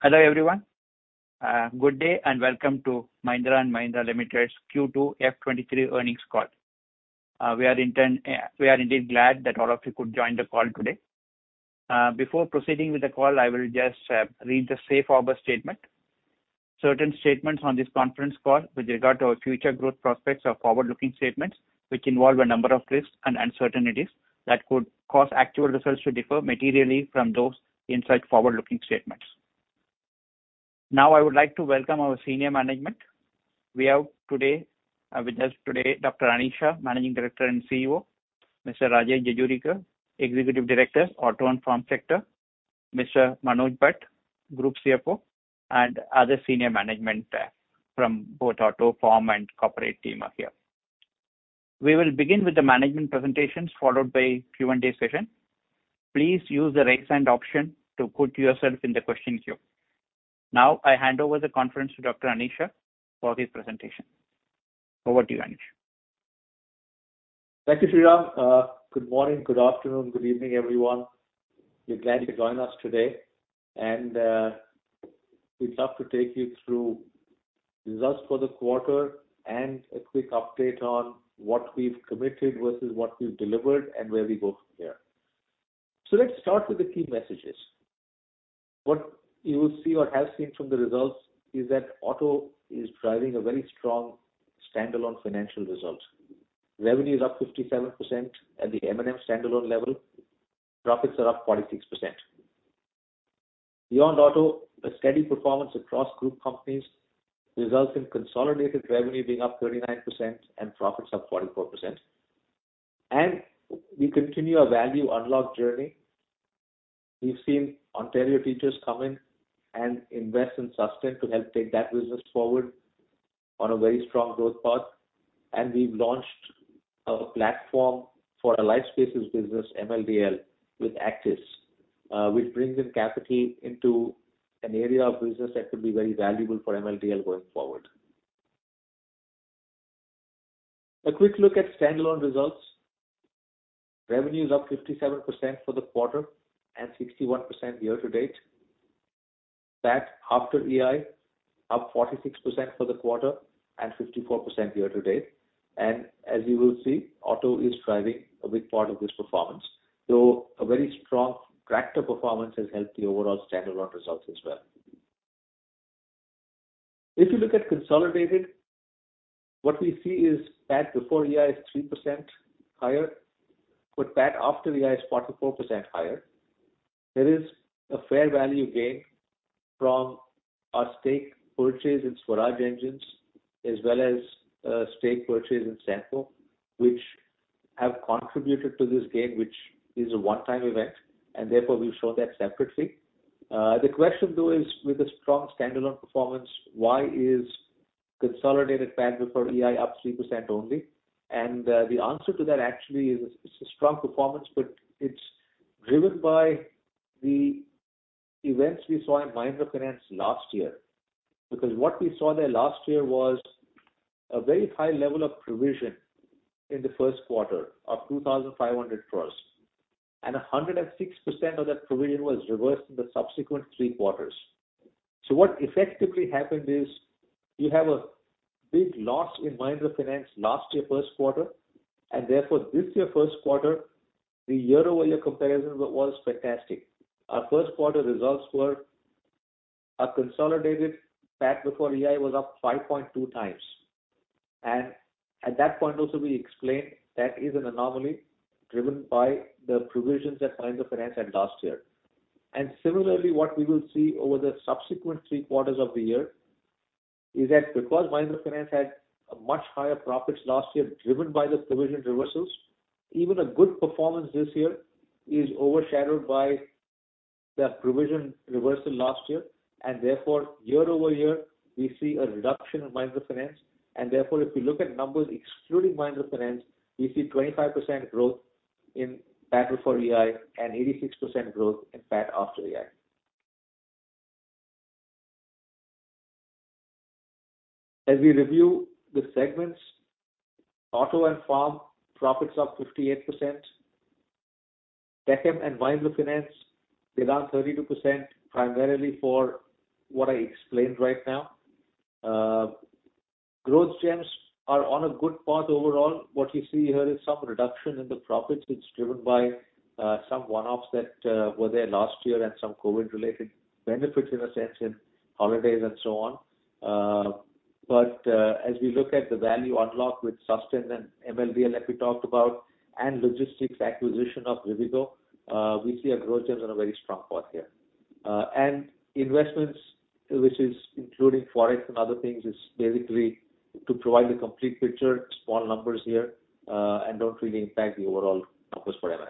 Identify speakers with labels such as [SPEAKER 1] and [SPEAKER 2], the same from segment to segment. [SPEAKER 1] Hello everyone, good day and welcome to Mahindra & Mahindra Limited's Q2 FY 2023 earnings call. We are indeed glad that all of you could join the call today. Before proceeding with the call, I will just read the safe harbor statement. Certain statements on this conference call with regard to our future growth prospects are forward-looking statements, which involve a number of risks and uncertainties that could cause actual results to differ materially from those implied in forward-looking statements. Now, I would like to welcome our senior management. We have with us today, Dr. Anish Shah, Managing Director and CEO, Mr. Rajesh Jejurikar, Executive Director, Auto and Farm Sector, Mr. Manoj Bhat, Group CFO, and other senior management from both auto, farm and corporate team are here. We will begin with the management presentations followed by Q&A session. Please use the raise hand option to put yourself in the question queue. Now I hand over the conference to Dr. Anish Shah for his presentation. Over to you, Anish.
[SPEAKER 2] Thank you, Sriram. Good morning, good afternoon, good evening, everyone. We're glad you could join us today, and we'd love to take you through results for the quarter and a quick update on what we've committed versus what we've delivered and where we go from here. Let's start with the key messages. What you will see or have seen from the results is that auto is driving a very strong standalone financial result. Revenue is up 57% at the M&M standalone level. Profits are up 46%. Beyond auto, a steady performance across group companies results in consolidated revenue being up 39% and profits up 44%. We continue our value unlock journey. We've seen Ontario Teachers' Pension Plan come in and invest in Mahindra Susten to help take that business forward on a very strong growth path. We've launched our platform for our Lifespace business, MLDL, with Axis Bank, which brings in capacity into an area of business that could be very valuable for MLDL going forward. A quick look at standalone results. Revenue is up 57% for the quarter and 61% year to date. PAT after EI, up 46% for the quarter and 54% year to date. As you will see, auto is driving a big part of this performance, though a very strong tractor performance has helped the overall standalone results as well. If you look at consolidated, what we see is PAT before EI is 3% higher, but PAT after EI is 44% higher. There is a fair value gain from our stake purchase in Swaraj Engines as well as stake purchase in Sampo, which have contributed to this gain, which is a one-time event, and therefore we show that separately. The question, though, is, with a strong standalone performance, why is consolidated PAT before EI up 3% only? The answer to that actually is, it's a strong performance, but it's driven by the events we saw in Mahindra Finance last year. What we saw there last year was a very high level of provision in the first quarter of 2,500 crores. 106% of that provision was reversed in the subsequent three quarters. What effectively happened is you have a big loss in Mahindra Finance last year first quarter, and therefore this year first quarter, the year-over-year comparison was fantastic. Our first quarter results were a consolidated PAT before EI was up 5.2 times. At that point also we explained that is an anomaly driven by the provisions that Mahindra Finance had last year. Similarly, what we will see over the subsequent three quarters of the year is that because Mahindra Finance had a much higher profits last year, driven by the provision reversals, even a good performance this year is overshadowed by that provision reversal last year. Therefore year-over-year we see a reduction in Mahindra Finance. Therefore, if you look at numbers excluding Mahindra Finance, we see 25% growth in PAT before EI and 86% growth in PAT after EI. As we review the segments, auto and farm profits up 58%. Tech Mahindra and Mahindra Finance, they're down 32% primarily for what I explained right now. Growth gems are on a good path overall. What you see here is some reduction in the profits. It's driven by some one-offs that were there last year and some COVID related benefits in a sense in holidays and so on. As we look at the value unlock with Susten and MLDL like we talked about and logistics acquisition of Rivigo, we see our growth gems are on a very strong path here. Investments, which is including Forex and other things, is basically to provide the complete picture, small numbers here, and don't really impact the overall numbers for M&M.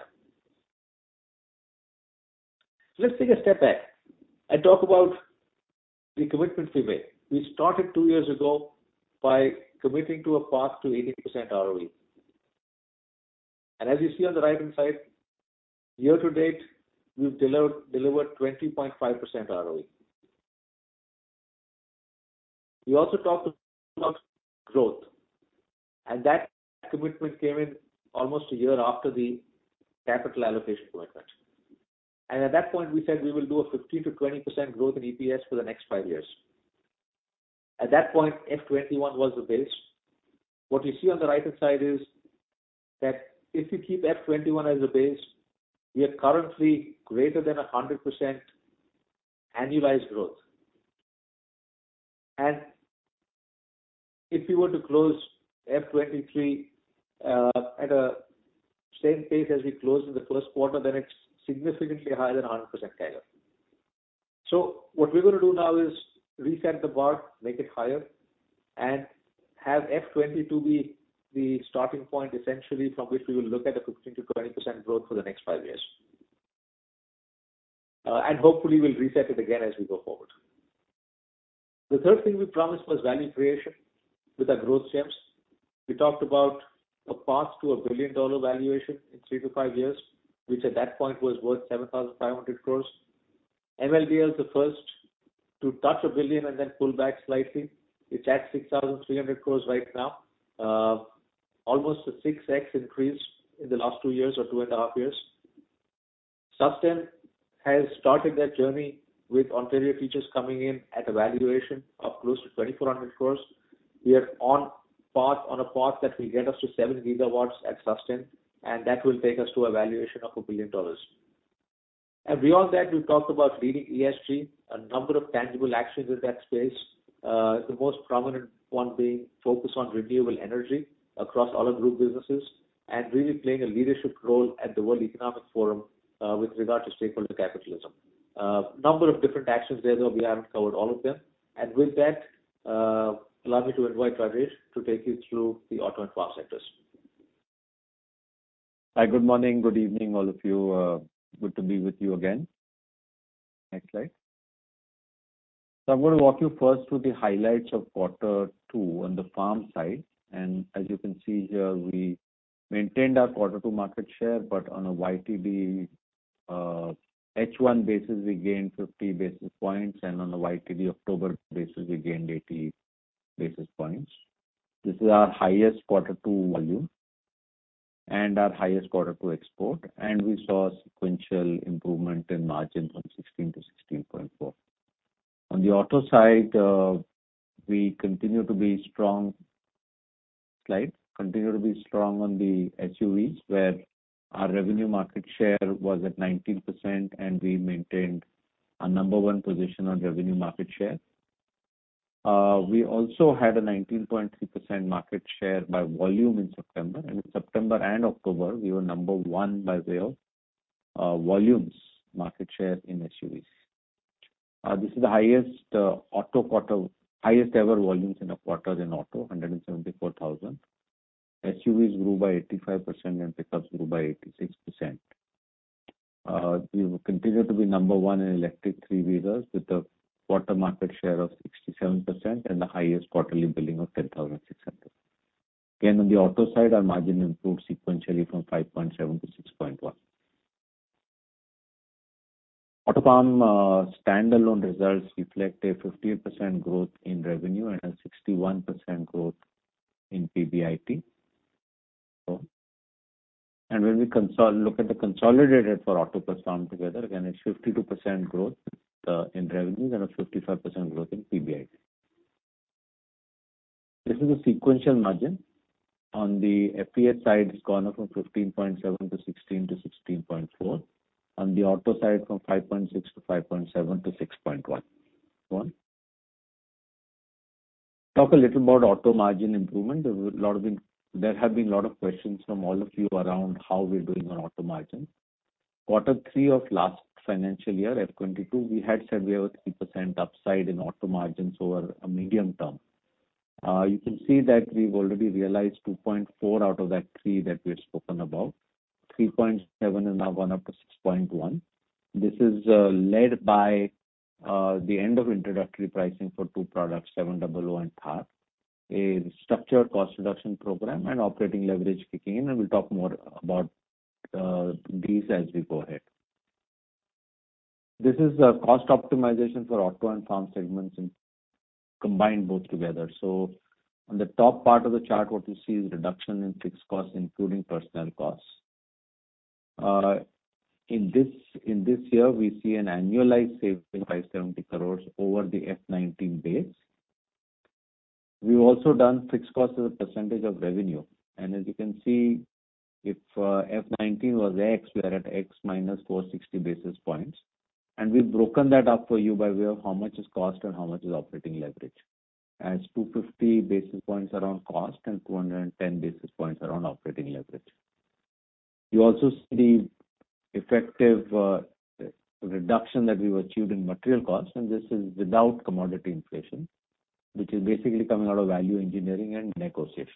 [SPEAKER 2] Let's take a step back and talk about the commitments we made. We started two years ago by committing to a path to 80% ROE. As you see on the right-hand side, year to date, we've delivered 20.5% ROE. We also talked about growth, and that commitment came in almost a year after the capital allocation commitment. At that point, we said we will do a 15%-20% growth in EPS for the next five years. At that point, FY 2021 was the base. What you see on the right-hand side is that if you keep FY 2021 as a base, we are currently greater than 100% annualized growth. If we were to close FY 2023 at the same pace as we closed in the first quarter, then it's significantly higher than 100% CAGR. What we're gonna do now is reset the bar, make it higher, and have FY 22 be the starting point, essentially, from which we will look at a 15%-20% growth for the next five years. And hopefully we'll reset it again as we go forward. The third thing we promised was value creation with our growth streams. We talked about a path to a $1 billion valuation in 3-5 years, which at that point was worth 7,500 crores. MLDL is the first to touch a billion and then pull back slightly. It's at 6,300 crores right now. Almost a 6x increase in the last two years or 2.5 years. Susten has started that journey with Ontario Teachers' coming in at a valuation of close to 2,400 crores. We are on a path that will get us to 7 GW at Susten, and that will take us to a valuation of $1 billion. Beyond that, we talked about leading ESG, a number of tangible actions in that space, the most prominent one being focus on renewable energy across all our group businesses and really playing a leadership role at the World Economic Forum, with regard to stakeholder capitalism. Number of different actions there, though we haven't covered all of them. With that, allow me to invite Rajesh to take you through the auto and farm sectors.
[SPEAKER 3] Hi, good morning, good evening, all of you. Good to be with you again. Next slide. I'm gonna walk you first through the highlights of quarter two on the farm side. As you can see here, we maintained our quarter two market share, but on a YTD, H1 basis, we gained 50 basis points, and on a YTD October basis, we gained 80 basis points. This is our highest quarter two volume and our highest quarter two export, and we saw sequential improvement in margin from 16% to 16.4%. On the auto side, we continue to be strong on the SUVs, where our revenue market share was at 19%, and we maintained our number one position on revenue market share. We also had a 19.3% market share by volume in September. In September and October, we were number one by way of volumes market share in SUVs. This is the highest auto quarter, highest ever volumes in a quarter in auto, 174,000. SUVs grew by 85%, and pickups grew by 86%. We will continue to be number one in electric three-wheelers with a quarter market share of 67% and the highest quarterly billing of 10,600. Again, on the auto side, our margin improved sequentially from 5.7 to 6.1. Auto farm standalone results reflect a 15% growth in revenue and a 61% growth in PBIT. When we look at the consolidated for auto plus farm together, again, a 52% growth in revenues and a 55% growth in PBIT. This is a sequential margin. On the FES side, it's gone up from 15.7% to 16% to 16.4%. On the auto side, from 5.6% to 5.7% to 6.1%. Talk a little about auto margin improvement. There have been a lot of questions from all of you around how we're doing on auto margin. Quarter 3 of last financial year, FY 2022, we had said we have a 3% upside in auto margins over a medium term. You can see that we've already realized 2.4 out of that three that we had spoken about. 3.7% has now gone up to 6.1%. This is led by the end of introductory pricing for two products, XUV700 and Thar, a structured cost reduction program and operating leverage kicking in, and we'll talk more about these as we go ahead. This is a cost optimization for auto and farm segments and combine both together. On the top part of the chart, what you see is reduction in fixed costs, including personnel costs. In this year, we see an annualized saving, 570 crores over the FY 2019 base. We've also done fixed cost as a percentage of revenue. As you can see, if FY 2019 was X, we are at X minus 460 basis points. We've broken that up for you by way of how much is cost and how much is operating leverage. 250 basis points around cost and 210 basis points around operating leverage. You also see effective reduction that we've achieved in material costs, and this is without commodity inflation, which is basically coming out of value engineering and negotiations.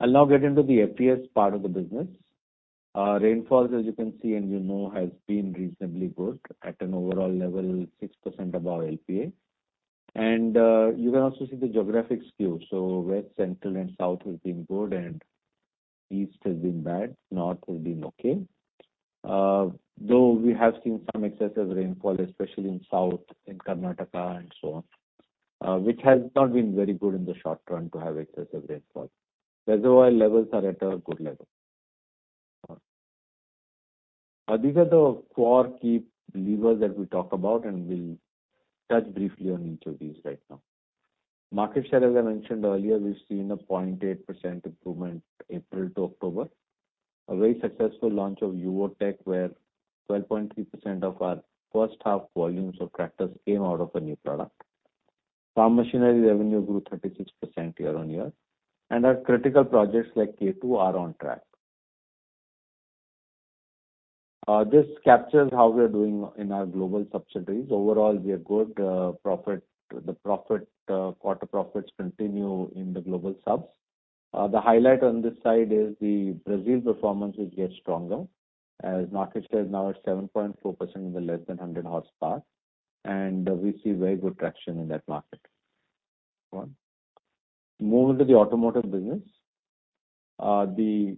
[SPEAKER 3] I'll now get into the FES part of the business. Rainfalls, as you can see and you know, has been reasonably good at an overall level, 6% above LPA. You can also see the geographic skew. West, Central and South has been good and East has been bad, North has been okay. Though we have seen some excessive rainfall, especially in South, in Karnataka and so on, which has not been very good in the short term to have excessive rainfall. Reservoir levels are at a good level. These are the four key levers that we talk about, and we'll touch briefly on each of these right now. Market share, as I mentioned earlier, we've seen a 0.8% improvement April to October. A very successful launch of YUVO TECH+, where 12.3% of our first half volumes of tractors came out of a new product. Farm machinery revenue grew 36% year-on-year, and our critical projects like K2 are on track. This captures how we are doing in our global subsidiaries. Overall, we are good. Profit quarter profits continue in the global subs. The highlight on this side is the Brazil performance is getting stronger as market share is now at 7.4% in the less than 100 horsepower, and we see very good traction in that market. Moving to the automotive business. The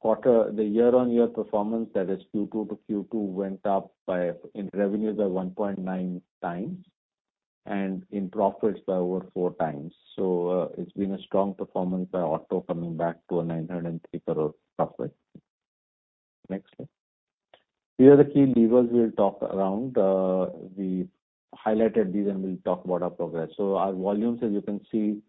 [SPEAKER 3] quarter, the year-on-year performance, that is Q2 to Q2, went up by, in revenues by 1.9x and in profits by over 4x It's been a strong performance by auto coming back to an 903 crore profit. Next slide. These are the key levers we'll talk about. We highlighted these, and we'll talk about our progress. Our volumes, as you can see,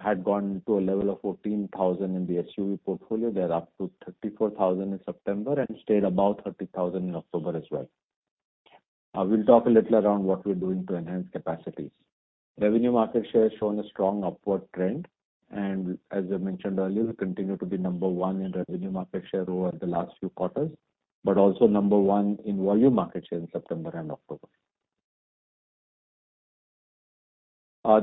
[SPEAKER 3] had gone to a level of 14,000 in the SUV portfolio. They are up to 34,000 in September and stayed above 30,000 in October as well. We'll talk a little about what we're doing to enhance capacities. Revenue market share has shown a strong upward trend, and as I mentioned earlier, we continue to be number one in revenue market share over the last few quarters, but also number one in volume market share in September and October.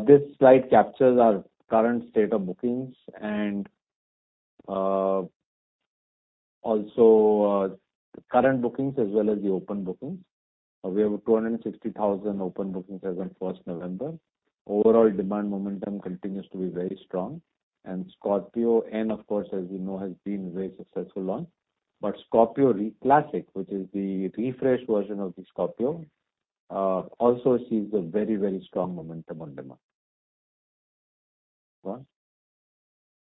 [SPEAKER 3] This slide captures our current state of bookings and also current bookings as well as the open bookings. We have 260,000 open bookings as of 1st November. Overall demand momentum continues to be very strong. Scorpio-N of course, as you know, has been a very successful launch. Scorpio Classic, which is the refreshed version of the Scorpio, also sees a very, very strong momentum on demand.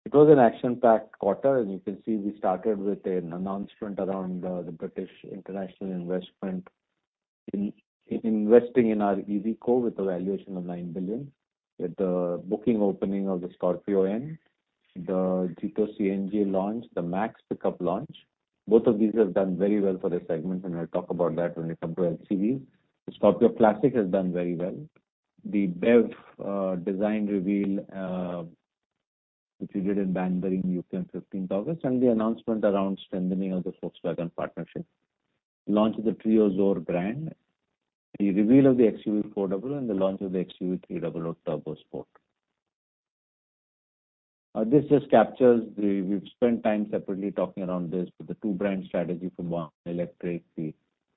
[SPEAKER 3] It was an action-packed quarter, and you can see we started with an announcement around the British International Investment investing in our EV Co. with a valuation of 9 billion, with the booking opening of the Scorpio-N, the Jeeto CNG launch, the Bolero MaXX Pik-Up launch. Both of these have done very well for the segment, and I'll talk about that when we come to LCV. The Scorpio Classic has done very well. The BEV design reveal, which we did in Bangalore, India on fifteenth August, and the announcement around strengthening of the Volkswagen partnership. Launch of the Treo Zor brand, the reveal of the XUV400, and the launch of the XUV300 TurboSport. This just captures. We've spent time separately talking around this, but the two-brand strategy for Born Electric, the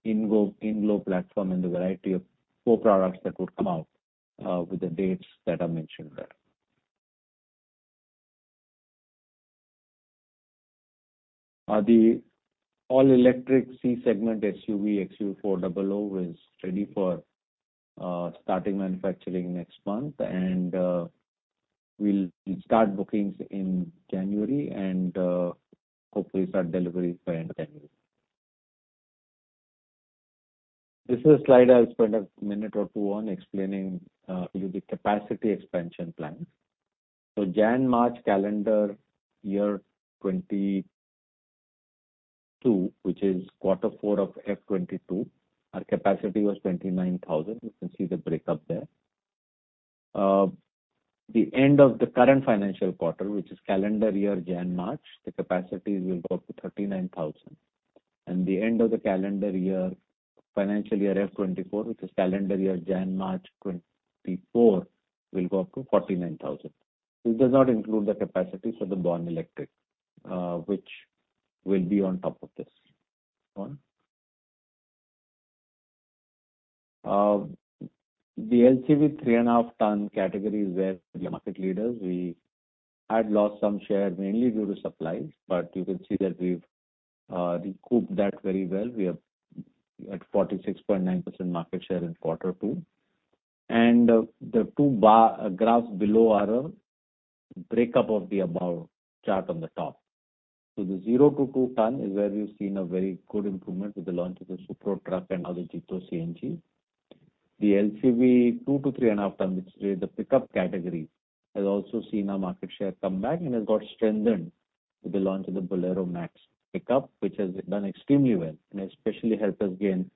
[SPEAKER 3] INGLO platform, and the variety of core products that would come out with the dates that are mentioned there. The all-electric C-segment SUV, XUV400, is ready for starting manufacturing next month. We'll start bookings in January and hopefully start deliveries by end of January. This is a slide I'll spend a minute or two on explaining the capacity expansion plan. Jan-March calendar year 2022, which is quarter four of F 2022, our capacity was 29,000. You can see the breakup there. The end of the current financial quarter, which is calendar year Jan-March, the capacity will go up to 39,000. The end of the calendar year, financial year FY 2024, which is calendar year January-March 2024, will go up to 49,000. This does not include the capacity for the Born Electric, which will be on top of this one. The LCV 3.5-ton category is where we are market leaders. We had lost some share, mainly due to supplies, but you can see that we've recouped that very well. We are at 46.9% market share in quarter two. The two bar graphs below are a breakup of the above chart on the top. The zero to two ton is where we've seen a very good improvement with the launch of the Supro Truck and now the Jeeto CNG. The LCV 2-3.5-ton, which is the pickup category, has also seen our market share come back and has got strengthened with the launch of the Bolero MaXX Pik-Up, which has done extremely well, and especially helped us gain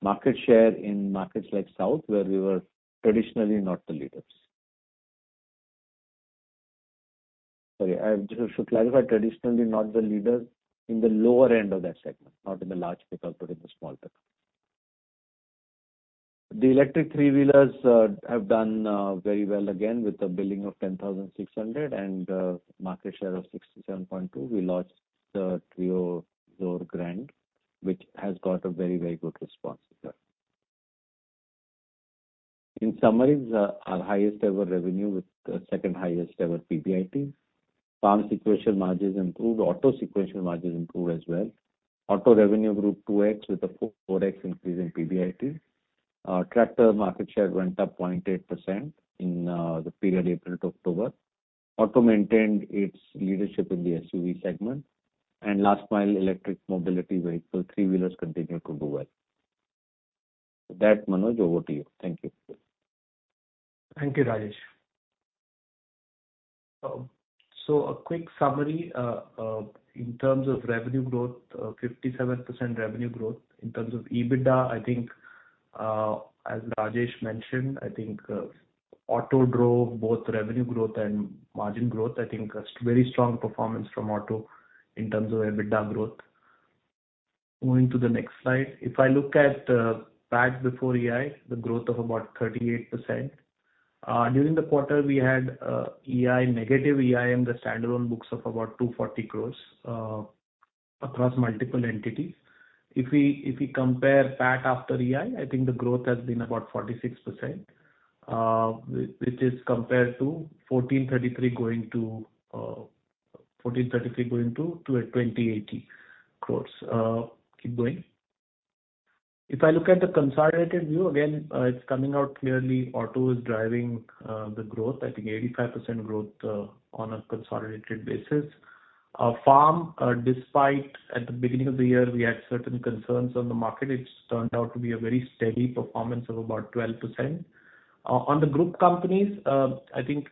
[SPEAKER 3] market share in markets like South, where we were traditionally not the leaders. Sorry, I just should clarify, traditionally not the leader in the lower end of that segment, not in the large pickup, but in the small pickup. The electric three-wheelers have done very well again with a billing of 10,600 and a market share of 67.2%. We launched the Treo Zor Grand, which has got a very, very good response as well. In summary, our highest ever revenue with the second highest ever PBIT. Farm sequential margins improved. Auto sequential margins improved as well. Auto revenue grew 2x with a 4x increase in PBIT. Our tractor market share went up 0.8% in the period April to October. Auto maintained its leadership in the SUV segment. Last mile electric mobility vehicle, three-wheelers continued to do well. With that, Manoj, over to you. Thank you.
[SPEAKER 4] Thank you, Rajesh. A quick summary. In terms of revenue growth, 57% revenue growth. In terms of EBITDA, I think, as Rajesh mentioned, I think, auto drove both revenue growth and margin growth. I think a very strong performance from auto in terms of EBITDA growth. Moving to the next slide. If I look at PAT before EI, the growth of about 38%. During the quarter, we had EI, negative EI in the standalone books of about 240 crores, across multiple entities. If we compare PAT after EI, I think the growth has been about 46%, which is compared to 1,433 crores going to 2,080 crores. Keep going. If I look at the consolidated view, again, it's coming out clearly, auto is driving the growth. I think 85% growth on a consolidated basis. Farm, despite at the beginning of the year, we had certain concerns on the market, it's turned out to be a very steady performance of about 12%. On the group companies, I think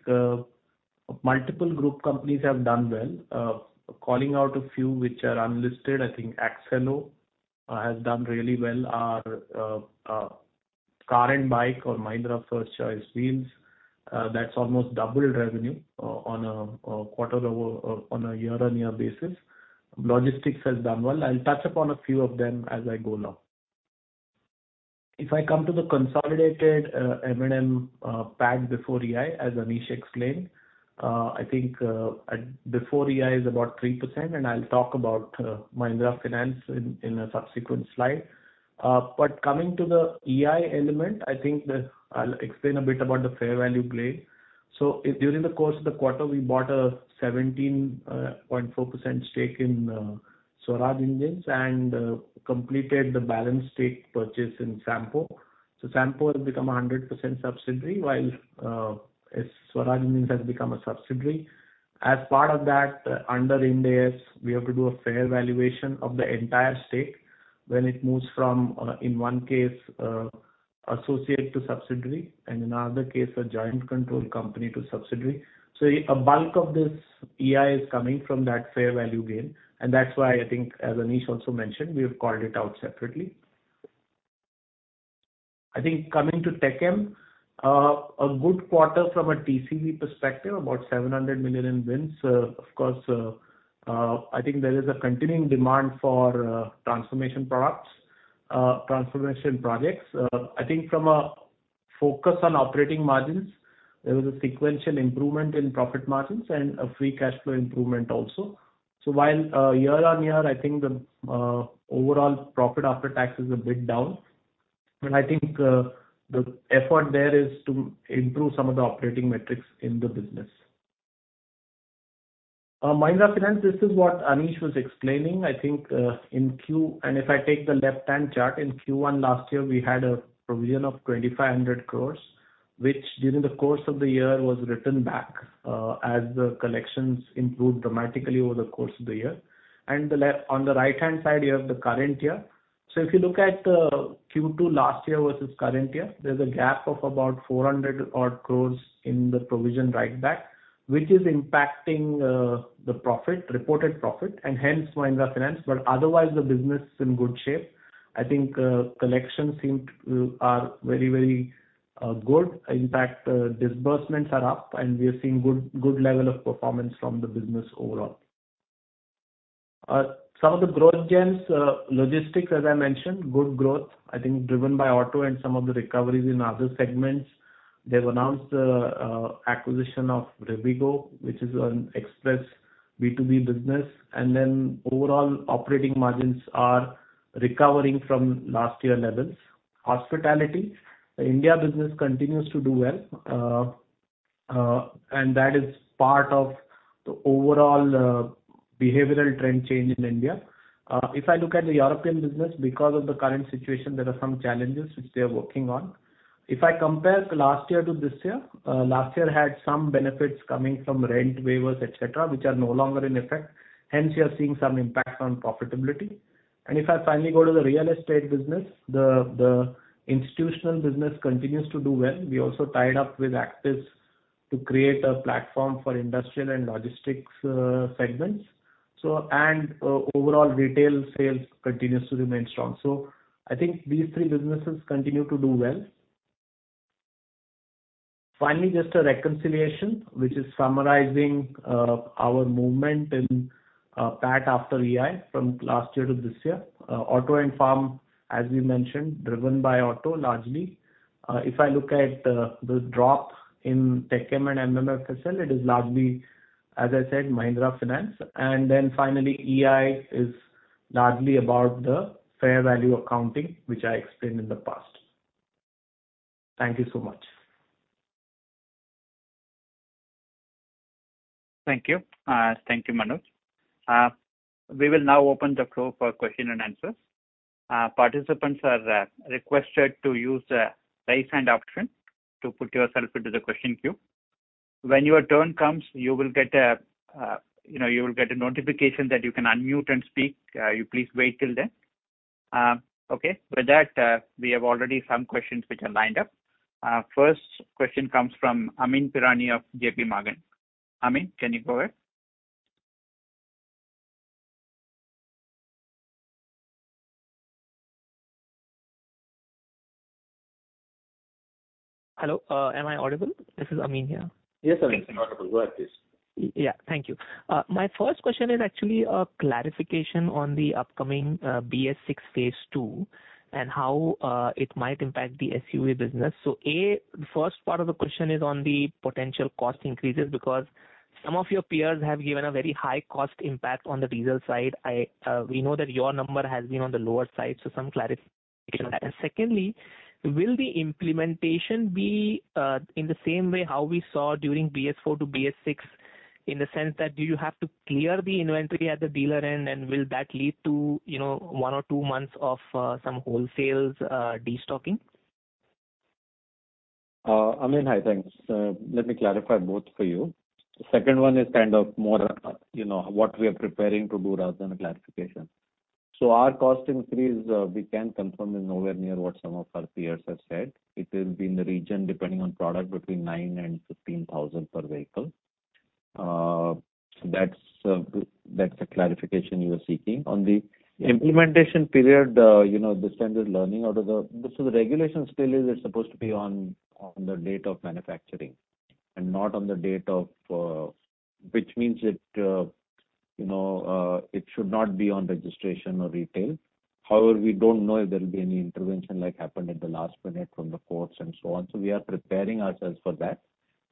[SPEAKER 4] multiple group companies have done well. Calling out a few which are unlisted, I think Accelo has done really well. Our car and bike or Mahindra First Choice Wheels, that's almost doubled revenue on a year-on-year basis. Logistics has done well. I'll touch upon a few of them as I go along. If I come to the consolidated M&M PAT before EI, as Anish explained, I think before EI is about 3%, and I'll talk about Mahindra Finance in a subsequent slide. Coming to the EI element, I think I'll explain a bit about the fair value play. During the course of the quarter, we bought a 17.4% stake in Swaraj Engines and completed the balance stake purchase in Sampo. Sampo has become a 100% subsidiary while Swaraj Engines has become a subsidiary. As part of that, under Ind AS, we have to do a fair valuation of the entire stake when it moves from, in one case, associate to subsidiary, and in another case, a joint control company to subsidiary. A bulk of this EI is coming from that fair value gain, and that's why I think, as Anish also mentioned, we have called it out separately. I think coming to TechM, a good quarter from a TCV perspective, about 700 million in wins. Of course, I think there is a continuing demand for transformation products, transformation projects. I think from a focus on operating margins, there was a sequential improvement in profit margins and a free cash flow improvement also. While year-on-year, I think the overall profit after tax is a bit down, but I think the effort there is to improve some of the operating metrics in the business. Mahindra Finance, this is what Anish was explaining. I think in Q. If I take the left-hand chart, in Q1 last year, we had a provision of 2,500 crores, which during the course of the year was written back, as the collections improved dramatically over the course of the year. On the right-hand side, you have the current year. If you look at Q2 last year versus current year, there's a gap of about 400 crores in the provision write back, which is impacting the profit, reported profit, and hence Mahindra Finance. Otherwise the business is in good shape. I think collections are very good. In fact, disbursements are up, and we are seeing good level of performance from the business overall. Some of the growth gems. Logistics, as I mentioned, good growth, I think driven by auto and some of the recoveries in other segments. They've announced acquisition of Rivigo, which is an express B2B business. Overall operating margins are recovering from last year levels. Hospitality. The India business continues to do well, and that is part of the overall behavioral trend change in India. If I look at the European business, because of the current situation, there are some challenges which they are working on. If I compare last year to this year, last year had some benefits coming from rent waivers, et cetera, which are no longer in effect, hence you are seeing some impact on profitability. If I finally go to the real estate business, the institutional business continues to do well. We also tied up with Axis to create a platform for industrial and logistics segments. Overall retail sales continues to remain strong. I think these three businesses continue to do well. Finally, just a reconciliation which is summarizing our movement in PAT after EI from last year to this year. Auto and farm, as we mentioned, driven by auto largely. If I look at the drop in TechM and MMFSL, it is largely, as I said, Mahindra Finance. Finally, EI is Largely about the fair value accounting, which I explained in the past. Thank you so much.
[SPEAKER 1] Thank you. Thank you, Manoj. We will now open the floor for question-and-answers. Participants are requested to use the Raise Hand option to put yourself into the question queue. When your turn comes, you will get a, you know, notification that you can unmute and speak. You please wait till then. Okay. With that, we have already some questions which are lined up. First question comes from Amyn Pirani of J.P. Morgan. Amyn, can you go ahead?
[SPEAKER 5] Hello, am I audible? This is Amyn here.
[SPEAKER 1] Yes, Amyn, you're audible. Go ahead, please.
[SPEAKER 5] Yeah. Thank you. My first question is actually a clarification on the upcoming BS6 Phase 2 and how it might impact the SUV business. A, first part of the question is on the potential cost increases because some of your peers have given a very high cost impact on the diesel side. We know that your number has been on the lower side, so some clarification on that. Secondly, will the implementation be in the same way how we saw during BS4 to BS6 in the sense that do you have to clear the inventory at the dealer end and will that lead to, you know, one or two months of some wholesale destocking?
[SPEAKER 3] Amyn, hi. Thanks. Let me clarify both for you. The second one is kind of more, you know, what we are preparing to do rather than a clarification. Our cost increase, we can confirm is nowhere near what some of our peers have said. It will be in the region, depending on product, between 9,000 and 15,000 per vehicle. That's the clarification you were seeking. On the implementation period, you know, the standard learning out of the regulation still is, it's supposed to be on the date of manufacturing and not on the date of, which means it should not be on registration or retail. However, we don't know if there'll be any intervention like happened at the last minute from the courts and so on. We are preparing ourselves for that,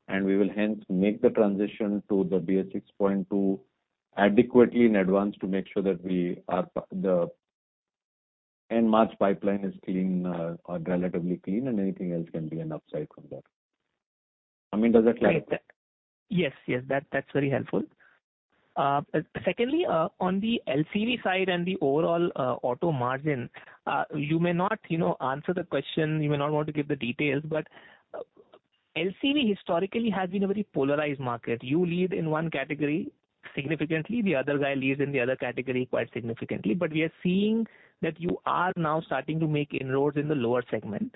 [SPEAKER 3] and we will hence make the transition to the BS6 Phase 2 adequately in advance to make sure that the end March pipeline is clean, or relatively clean and anything else can be an upside from that. Amyn, does that clarify?
[SPEAKER 5] Yes. Yes. That's very helpful. Secondly, on the LCV side and the overall auto margin, you may not, you know, answer the question, you may not want to give the details, but LCV historically has been a very polarized market. You lead in one category significantly, the other guy leads in the other category quite significantly. We are seeing that you are now starting to make inroads in the lower segment.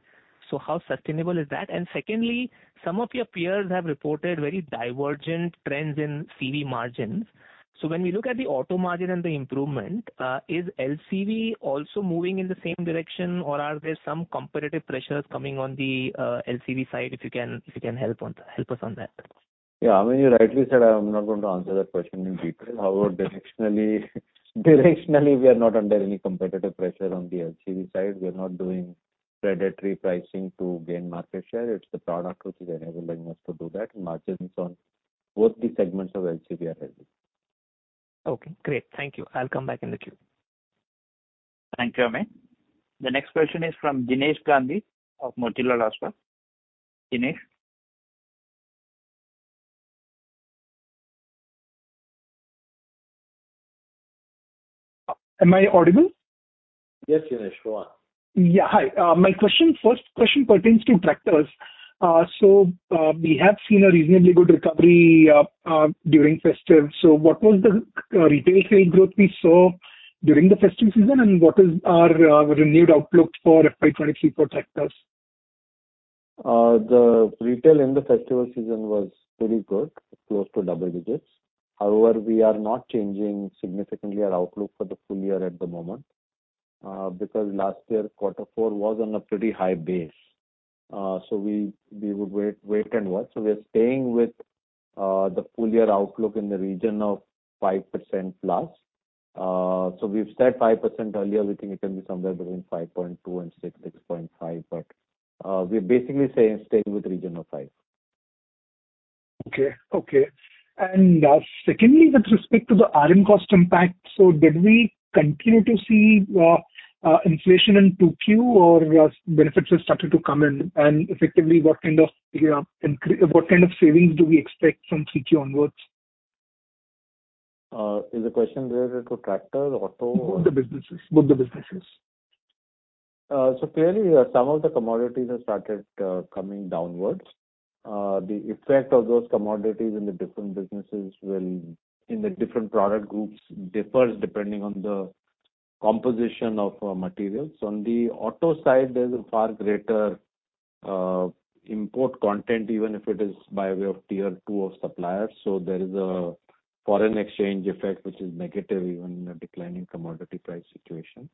[SPEAKER 5] How sustainable is that? Secondly, some of your peers have reported very divergent trends in CV margins. When we look at the auto margin and the improvement, is LCV also moving in the same direction or are there some competitive pressures coming on the LCV side if you can help us on that?
[SPEAKER 3] Yeah, Amyn, you rightly said I am not going to answer that question in detail. However, directionally we are not under any competitive pressure on the LCV side. We are not doing predatory pricing to gain market share. It's the product which is enabling us to do that. Margins on both the segments of LCV are healthy.
[SPEAKER 5] Okay, great. Thank you. I'll come back in the queue.
[SPEAKER 1] Thank you, Amyn. The next question is from Jinesh Gandhi of Motilal Oswal. Jinesh?
[SPEAKER 6] Am I audible?
[SPEAKER 1] Yes, Jinesh, go on.
[SPEAKER 6] Yeah, hi. My first question pertains to tractors. We have seen a reasonably good recovery during festive. So what was the retail trade growth we saw during the festive season and what is the renewed outlook for FY 2023 for tractors?
[SPEAKER 3] The retail in the festival season was pretty good, close to double digits. However, we are not changing significantly our outlook for the full year at the moment, because last year quarter four was on a pretty high base. We would wait and watch. We are staying with the full year outlook in the region of 5%+. We've said 5% earlier, we think it can be somewhere between 5.2% and 6%-6.5%. We're basically saying staying with region of 5%.
[SPEAKER 6] Secondly, with respect to the RM cost impact, did we continue to see inflation in 2Q or have benefits started to come in? Effectively what kind of savings do we expect from 3Q onwards?
[SPEAKER 3] Is the question related to tractor, auto or?
[SPEAKER 6] Both the businesses.
[SPEAKER 3] Clearly, some of the commodities have started coming downwards. The effect of those commodities in the different businesses will, in the different product groups differs depending on the composition of materials. On the auto side, there's a far greater import content even if it is by way of Tier 2 suppliers. There is a foreign exchange effect which is negative even in a declining commodity price situation.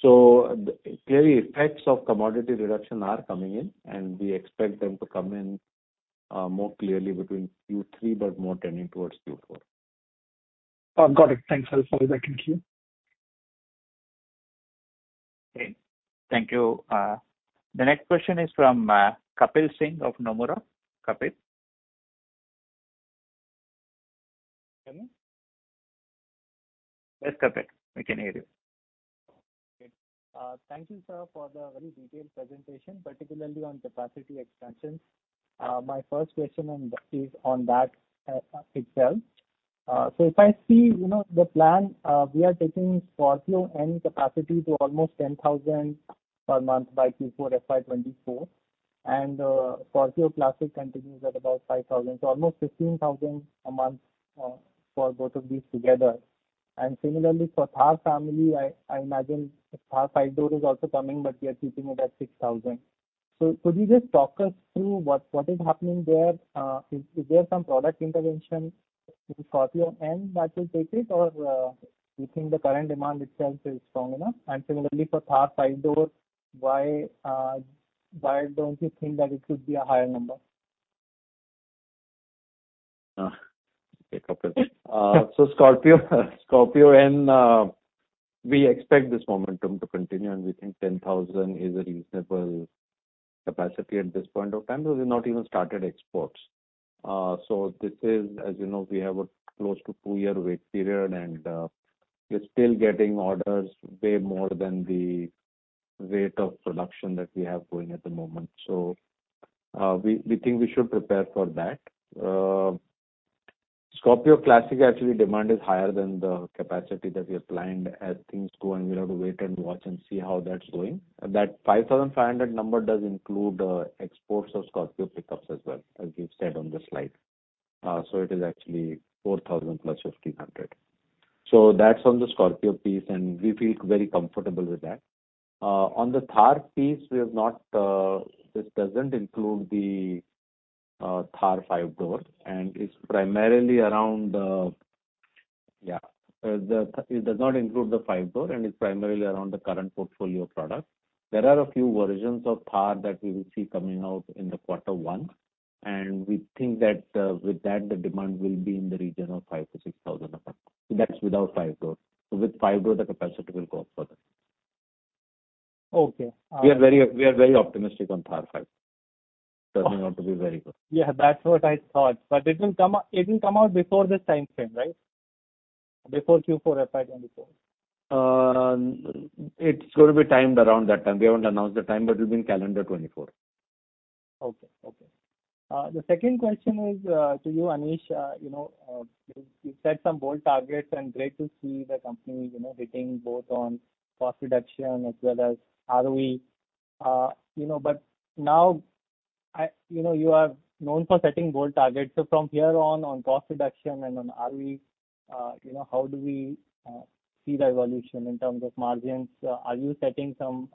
[SPEAKER 3] Clearly, the effects of commodity reduction are coming in and we expect them to come in more clearly between Q3 but more tending towards Q4.
[SPEAKER 6] Got it. Thanks. I'll fall back in queue.
[SPEAKER 1] Okay. Thank you. The next question is from Kapil Singh of Nomura. Kapil?
[SPEAKER 7] Can you-
[SPEAKER 1] Yes, Kapil, we can hear you.
[SPEAKER 7] Okay. Thank you, sir, for the very detailed presentation, particularly on capacity expansion. My first question on that is on that itself. If I see, you know, the plan, we are taking Scorpio-N capacity to almost 10,000 per month by Q4 FY 2024, and Scorpio Classic continues at about 5,000. Almost 15,000 a month for both of these together. Similarly for Thar family, I imagine Thar five door is also coming, but we are keeping it at 6,000. Could you just talk us through what is happening there? Is there some product intervention in Scorpio-N that will take it, or you think the current demand itself is strong enough? Similarly for Thar five door, why don't you think that it could be a higher number?
[SPEAKER 3] Okay, Kapil. Scorpio-N, we expect this momentum to continue, and we think 10,000 is a reasonable capacity at this point of time, because we've not even started exports. This is, as you know, we have a close to two-year wait period and we're still getting orders way more than the rate of production that we have going at the moment. We think we should prepare for that. Scorpio Classic actually demand is higher than the capacity that we have planned. As things go on, we'll have to wait and watch and see how that's going. That 5,500 number does include exports of Scorpio pickups as well, as we've said on the slide. It is actually 4,000 plus 1,500. That's on the Scorpio piece, and we feel very comfortable with that. On the Thar piece, this doesn't include the Thar five-door, and it's primarily around the current portfolio product. There are a few versions of Thar that we will see coming out in quarter one, and we think that with that, the demand will be in the region of 5,000-6,000 a month. That's without five-door. With five-door, the capacity will go up further.
[SPEAKER 7] Okay.
[SPEAKER 3] We are very optimistic on Thar five-door. Turning out to be very good.
[SPEAKER 7] Yeah, that's what I thought. It will come out before this timeframe, right? Before Q4 FY2024.
[SPEAKER 3] It's gonna be timed around that time. We won't announce the time, but it'll be in calendar 2024.
[SPEAKER 7] Okay. The second question is to you, Anish. You know, you've set some bold targets and great to see the company, you know, hitting both on cost reduction as well as ROE. You know, now I, you know, you are known for setting bold targets. From here on cost reduction and on ROE, you know, how do we see the evolution in terms of margins? Are you setting some,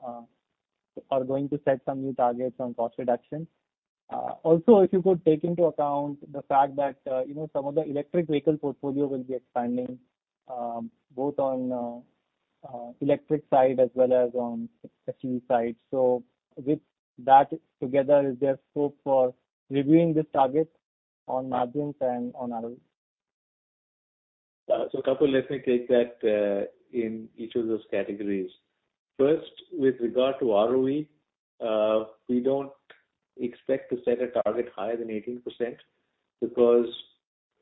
[SPEAKER 7] or going to set some new targets on cost reduction? Also, if you could take into account the fact that, you know, some of the electric vehicle portfolio will be expanding, both on electric side as well as on the CE side. With that together, is there scope for reviewing these targets on margins and on ROE?
[SPEAKER 2] Kapil, let me take that in each of those categories. First, with regard to ROE, we don't expect to set a target higher than 18% because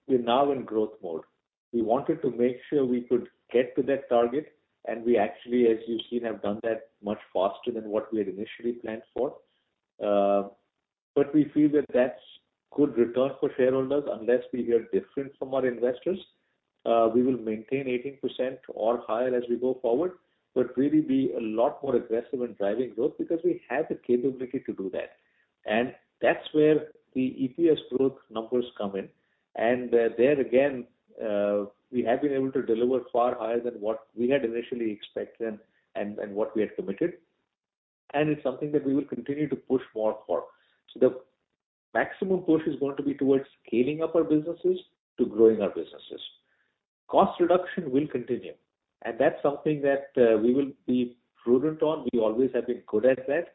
[SPEAKER 2] we're now in growth mode. We wanted to make sure we could get to that target, and we actually, as you've seen, have done that much faster than what we had initially planned for. We feel that that's good return for shareholders unless we hear different from our investors. We will maintain 18% or higher as we go forward, but really be a lot more aggressive in driving growth because we have the capability to do that. That's where the EPS growth numbers come in. There again, we have been able to deliver far higher than what we had initially expected and what we had committed. It's something that we will continue to push more for. The maximum push is going to be towards scaling up our businesses to growing our businesses. Cost reduction will continue, and that's something that we will be prudent on. We always have been good at that.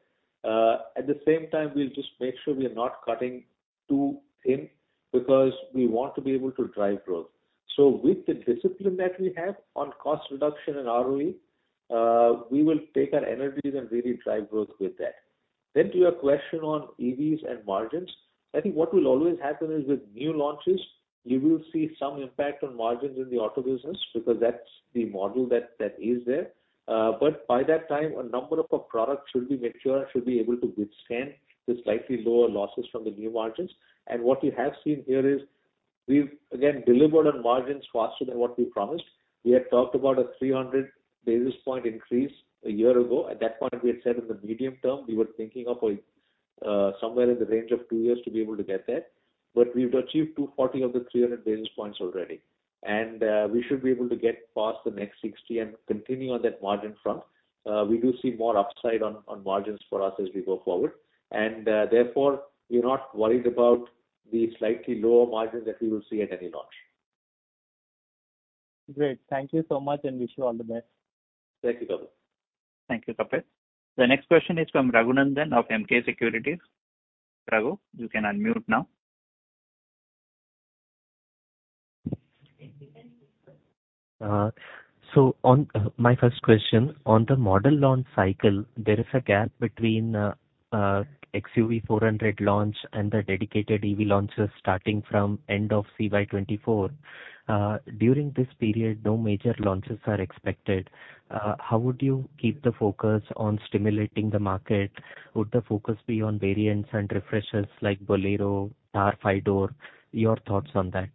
[SPEAKER 2] At the same time, we'll just make sure we are not cutting too thin because we want to be able to drive growth. With the discipline that we have on cost reduction and ROE, we will take our energies and really drive growth with that. To your question on EVs and margins, I think what will always happen is with new launches, you will see some impact on margins in the auto business because that's the model that is there. By that time, a number of our products should be mature and should be able to withstand the slightly lower losses from the new margins. What you have seen here is we've, again, delivered on margins faster than what we promised. We had talked about a 300 basis point increase a year ago. At that point, we had said in the medium term, we were thinking of a, somewhere in the range of two years to be able to get there. We've achieved 240 of the 300 basis points already. We should be able to get past the next 60 and continue on that margin front. We do see more upside on margins for us as we go forward. Therefore, we're not worried about the slightly lower margins that we will see at any launch.
[SPEAKER 7] Great. Thank you so much, and wish you all the best.
[SPEAKER 2] Thank you, Kapil.
[SPEAKER 1] Thank you, Kapil. The next question is from Raghunandhan of Emkay Global. Raghu, you can unmute now.
[SPEAKER 8] On my first question, on the model launch cycle, there is a gap between XUV400 launch and the dedicated EV launches starting from end of CY 2024. During this period, no major launches are expected. How would you keep the focus on stimulating the market? Would the focus be on variants and refreshes like Bolero, Thar five door? Your thoughts on that.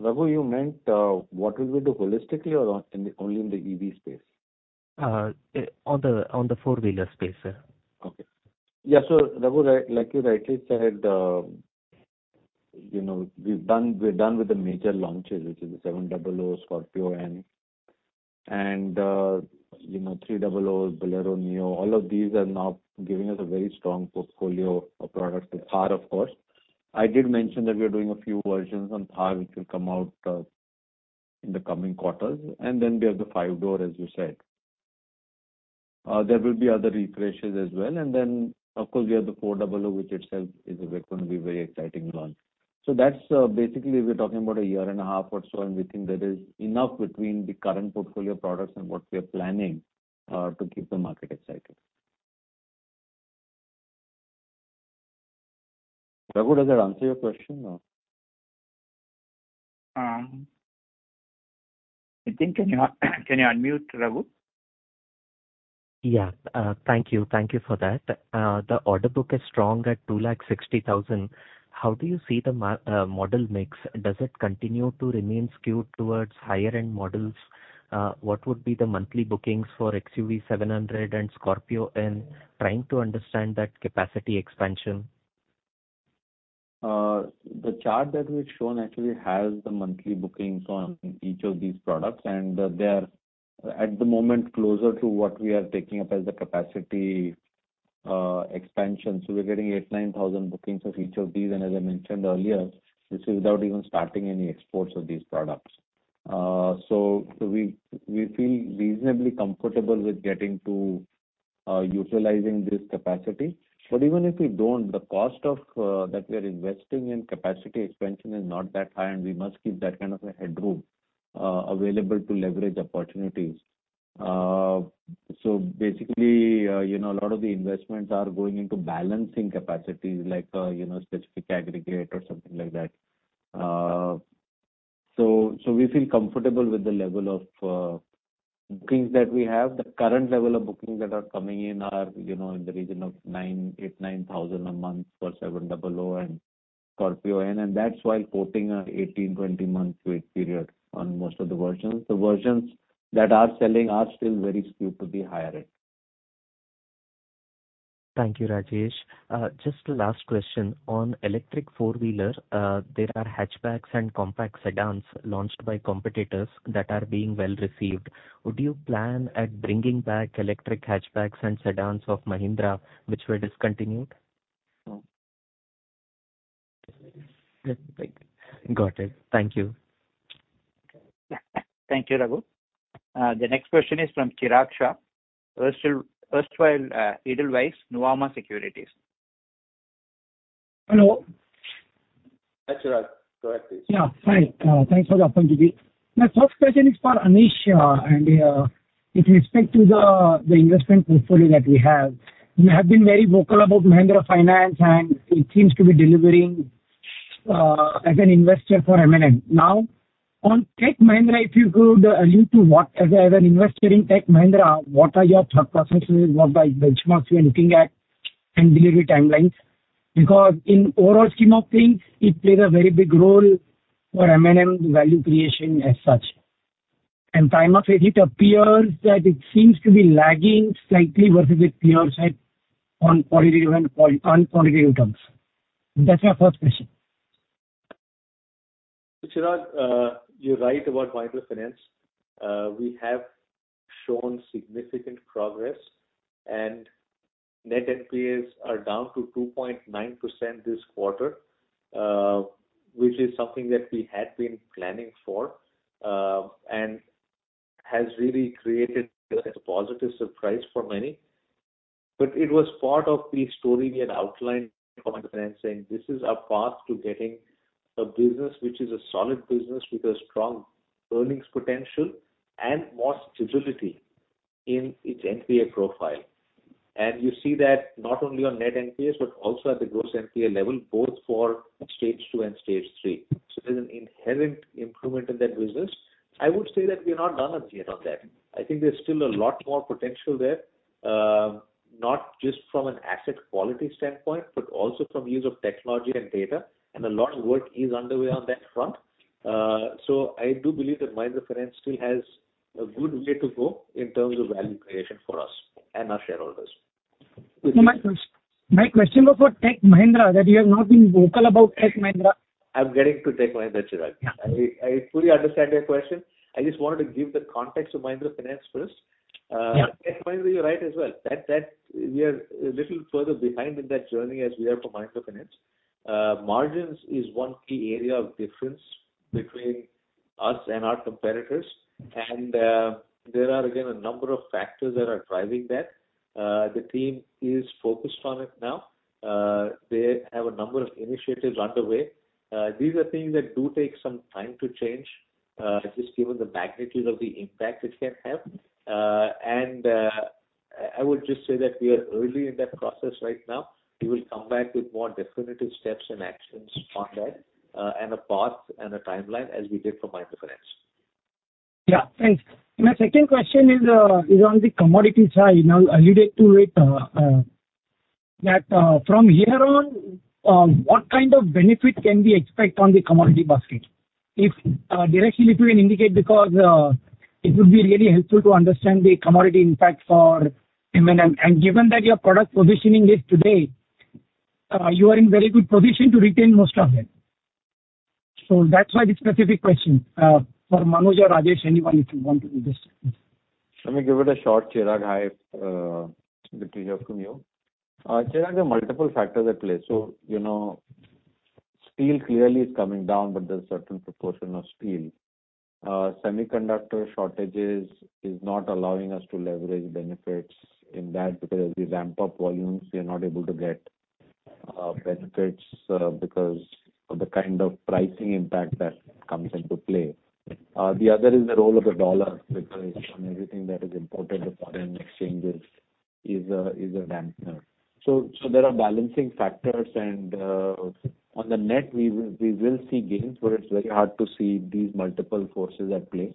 [SPEAKER 3] Raghunandhan, you meant what will we do holistically or only in the EV space?
[SPEAKER 8] On the four-wheeler space, sir.
[SPEAKER 3] Okay. Yeah, Raghunandhan, right, like you rightly said, you know, we're done with the major launches, which is the XUV700, Scorpio-N. You know, XUV300, Bolero Neo. All of these are now giving us a very strong portfolio of products. Thar, of course. I did mention that we are doing a few versions on Thar, which will come out in the coming quarters. Then we have the five-door, as you said. There will be other refreshes as well. Then, of course, we have the XUV400, which itself is going to be very exciting launch. That's basically we're talking about a year and a half or so, and we think there is enough between the current portfolio products and what we are planning to keep the market excited. Raghunandhan, does that answer your question or?
[SPEAKER 8] Um-
[SPEAKER 2] I think, can you unmute Raghunandhan?
[SPEAKER 8] Yeah. Thank you. Thank you for that. The order book is strong at 2 lakh 60,000. How do you see the model mix? Does it continue to remain skewed towards higher-end models? What would be the monthly bookings for XUV700 and Scorpio-N? Trying to understand that capacity expansion.
[SPEAKER 3] The chart that we've shown actually has the monthly bookings on each of these products, and they are at the moment closer to what we are taking up as the capacity expansion. We're getting 8,000-9,000 bookings of each of these, and as I mentioned earlier, this is without even starting any exports of these products. We feel reasonably comfortable with getting to utilizing this capacity. Even if we don't, the cost of that we are investing in capacity expansion is not that high, and we must keep that kind of a headroom available to leverage opportunities. Basically, you know, a lot of the investments are going into balancing capacities like, you know, specific aggregate or something like that. We feel comfortable with the level of bookings that we have. The current level of bookings that are coming in are, you know, in the region of 8,000-9,000 a month for XUV700 and Scorpio-N. That's why quoting an 18-20-month wait period on most of the versions. The versions that are selling are still very skewed to the higher end.
[SPEAKER 8] Thank you, Rajesh. Just last question. On electric four-wheeler, there are hatchbacks and compact sedans launched by competitors that are being well-received. Would you plan on bringing back electric hatchbacks and sedans of Mahindra which were discontinued?
[SPEAKER 3] No.
[SPEAKER 8] Got it. Thank you.
[SPEAKER 1] Thank you, Raghunandhan. The next question is from Chirag Shah, Nuvama Securities.
[SPEAKER 9] Hello.
[SPEAKER 3] Hi, Chirag. Go ahead, please.
[SPEAKER 9] Yeah. Hi. Thanks for the opportunity. My first question is for Anish, and with respect to the investment portfolio that we have. You have been very vocal about Mahindra Finance, and it seems to be delivering as an investor for M&M. Now, on Tech Mahindra, if you could allude to what, as an investor in Tech Mahindra, what are your thought processes, what are benchmarks you are looking at and delivery timelines? Because in overall scheme of things, it plays a very big role for M&M value creation as such. In terms of it appears that it seems to be lagging slightly versus its peers on quarterly returns. That's my first question.
[SPEAKER 3] Chirag, you're right about Mahindra Finance. We have shown significant progress, and net NPAs are down to 2.9% this quarter, which is something that we had been planning for, and has really created a positive surprise for many. It was part of the story we had outlined for Mahindra Finance saying this is our path to getting a business which is a solid business with a strong earnings potential and more stability in its NPA profile. You see that not only on net NPAs, but also at the gross NPA level, both for stage two and stage three. There's an inherent improvement in that business. I would say that we are not done as yet on that. I think there's still a lot more potential there, not just from an asset quality standpoint, but also from use of technology and data, and a lot of work is underway on that front. I do believe that Mahindra Finance still has a good way to go in terms of value creation for us and our shareholders.
[SPEAKER 9] My question was for Tech Mahindra, that you have not been vocal about Tech Mahindra.
[SPEAKER 3] I'm getting to Tech Mahindra, Chirag.
[SPEAKER 9] Yeah.
[SPEAKER 3] I fully understand your question. I just wanted to give the context of Mahindra Finance first.
[SPEAKER 9] Yeah.
[SPEAKER 3] Tech Mahindra, you're right as well. That we are a little further behind in that journey as we are for Mahindra Finance. Margins is one key area of difference between us and our competitors. There are, again, a number of factors that are driving that. The team is focused on it now. They have a number of initiatives underway. These are things that do take some time to change, just given the magnitude of the impact it can have. I would just say that we are early in that process right now. We will come back with more definitive steps and actions on that, and a path and a timeline as we did for microfinance
[SPEAKER 9] Yeah, thanks. My second question is on the commodity side. Now, related to it, from here on, what kind of benefit can we expect on the commodity basket? If directly you can indicate, because it would be really helpful to understand the commodity impact for M&M. Given that your product positioning is today, you are in very good position to retain most of it. That's why the specific question for Manoj or Rajesh, anyone, if you want to address it.
[SPEAKER 2] Let me give it a shot, Chirag. Hi, good to hear from you. Chirag, there are multiple factors at play. You know, steel clearly is coming down, but there's a certain proportion of steel. Semiconductor shortages is not allowing us to leverage benefits in that, because as we ramp up volumes, we are not able to get benefits, because of the kind of pricing impact that comes into play. The other is the role of the dollar, because on everything that is imported, the foreign exchange is a dampener. There are balancing factors. On the net, we will see gains, but it's very hard to see these multiple forces at play.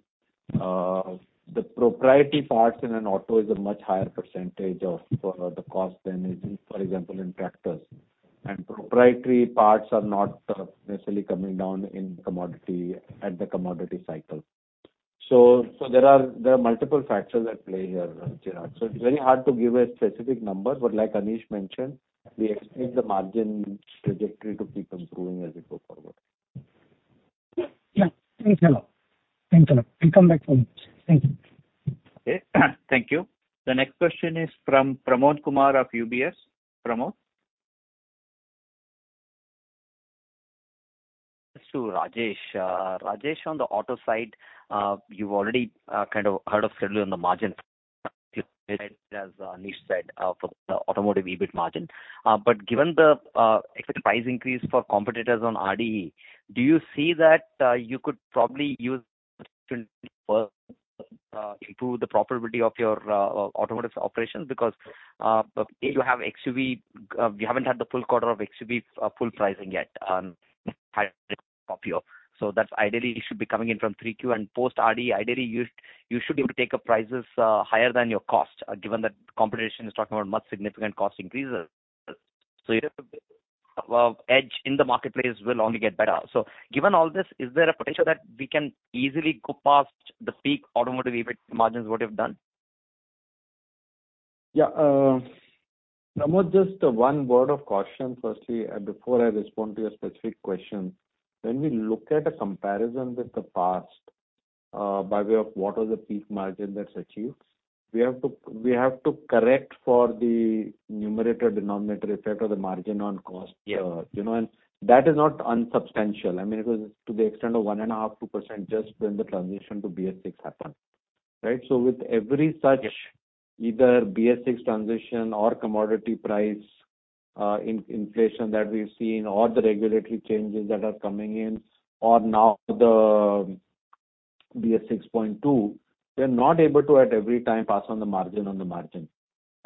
[SPEAKER 2] The proprietary parts in an auto is a much higher percentage of the cost than it is, for example, in tractors. Proprietary parts are not necessarily coming down with the commodity cycle. There are multiple factors at play here, Chirag. It's very hard to give a specific number, but like Anish mentioned, we expect the margin trajectory to keep improving as we go forward.
[SPEAKER 9] Yeah. Thanks a lot. I'll come back for more. Thank you.
[SPEAKER 1] Okay, thank you. The next question is from Pramod Kumar of UBS. Pramod?
[SPEAKER 10] To Rajesh. Rajesh, on the auto side, you've already kind of heard the guidance on the margin as Anish said for the automotive EBIT margin. Given the expected price increase for competitors on RDE, do you see that you could probably improve the profitability of your automotive operations? Because you have XUV, you haven't had the full quarter of XUV full pricing yet. So that ideally should be coming in from 3Q. Post RDE, ideally, you should be able to take up prices higher than your cost, given that competition is talking about much more significant cost increases. Your edge in the marketplace will only get better. Given all this, is there a potential that we can easily go past the peak automotive EBIT margins than what you've done?
[SPEAKER 3] Yeah. Pramod, just one word of caution firstly, before I respond to your specific question. When we look at a comparison with the past, by way of what are the peak margin that's achieved, we have to correct for the numerator denominator effect of the margin on cost.
[SPEAKER 10] Yeah.
[SPEAKER 3] You know, that is not unsubstantial. I mean, it was to the extent of 1.5%-2% just when the transition to BS6 happened, right? With every such
[SPEAKER 10] Yeah.
[SPEAKER 3] Either BS6 transition or commodity price, inflation that we've seen or the regulatory changes that are coming in or now the BS6.2, we're not able to at every time pass on the margin.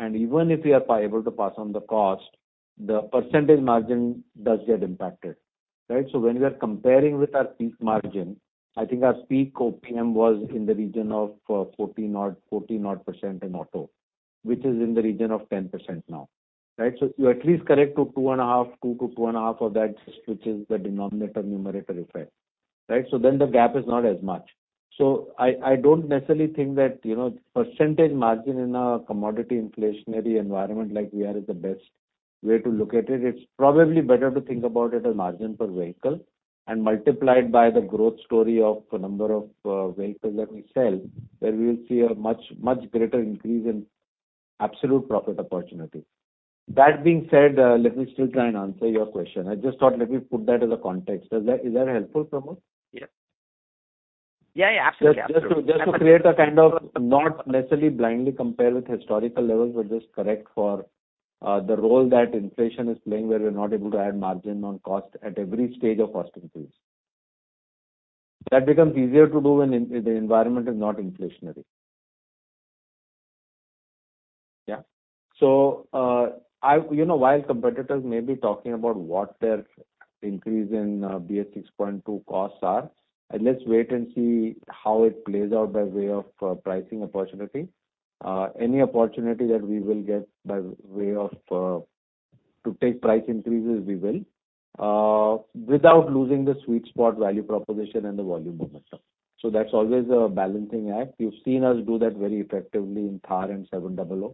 [SPEAKER 3] Even if we are able to pass on the cost, the percentage margin does get impacted, right? When we are comparing with our peak margin, I think our peak OPM was in the region of 14-odd% in auto, which is in the region of 10% now, right? You at least correct to 2.5, 2-2.5 of that, which is the denominator numerator effect, right? Then the gap is not as much. I don't necessarily think that, you know, percentage margin in a commodity inflationary environment like we are is the best way to look at it. It's probably better to think about it as margin per vehicle and multiplied by the growth story of the number of vehicles that we sell, where we will see a much, much greater increase in absolute profit opportunity. That being said, let me still try and answer your question. I just thought, let me put that as a context. Is that helpful, Pramod?
[SPEAKER 10] Yeah. Absolutely.
[SPEAKER 3] Just to create a kind of not necessarily blindly compare with historical levels, but just correct for the role that inflation is playing, where we're not able to add margin on cost at every stage of cost increase. That becomes easier to do when in the environment is not inflationary. Yeah. You know, while competitors may be talking about what their increase in BS6.2 costs are, let's wait and see how it plays out by way of pricing opportunity. Any opportunity that we will get by way of to take price increases, we will without losing the sweet spot value proposition and the volume momentum. That's always a balancing act. You've seen us do that very effectively in Thar and 700,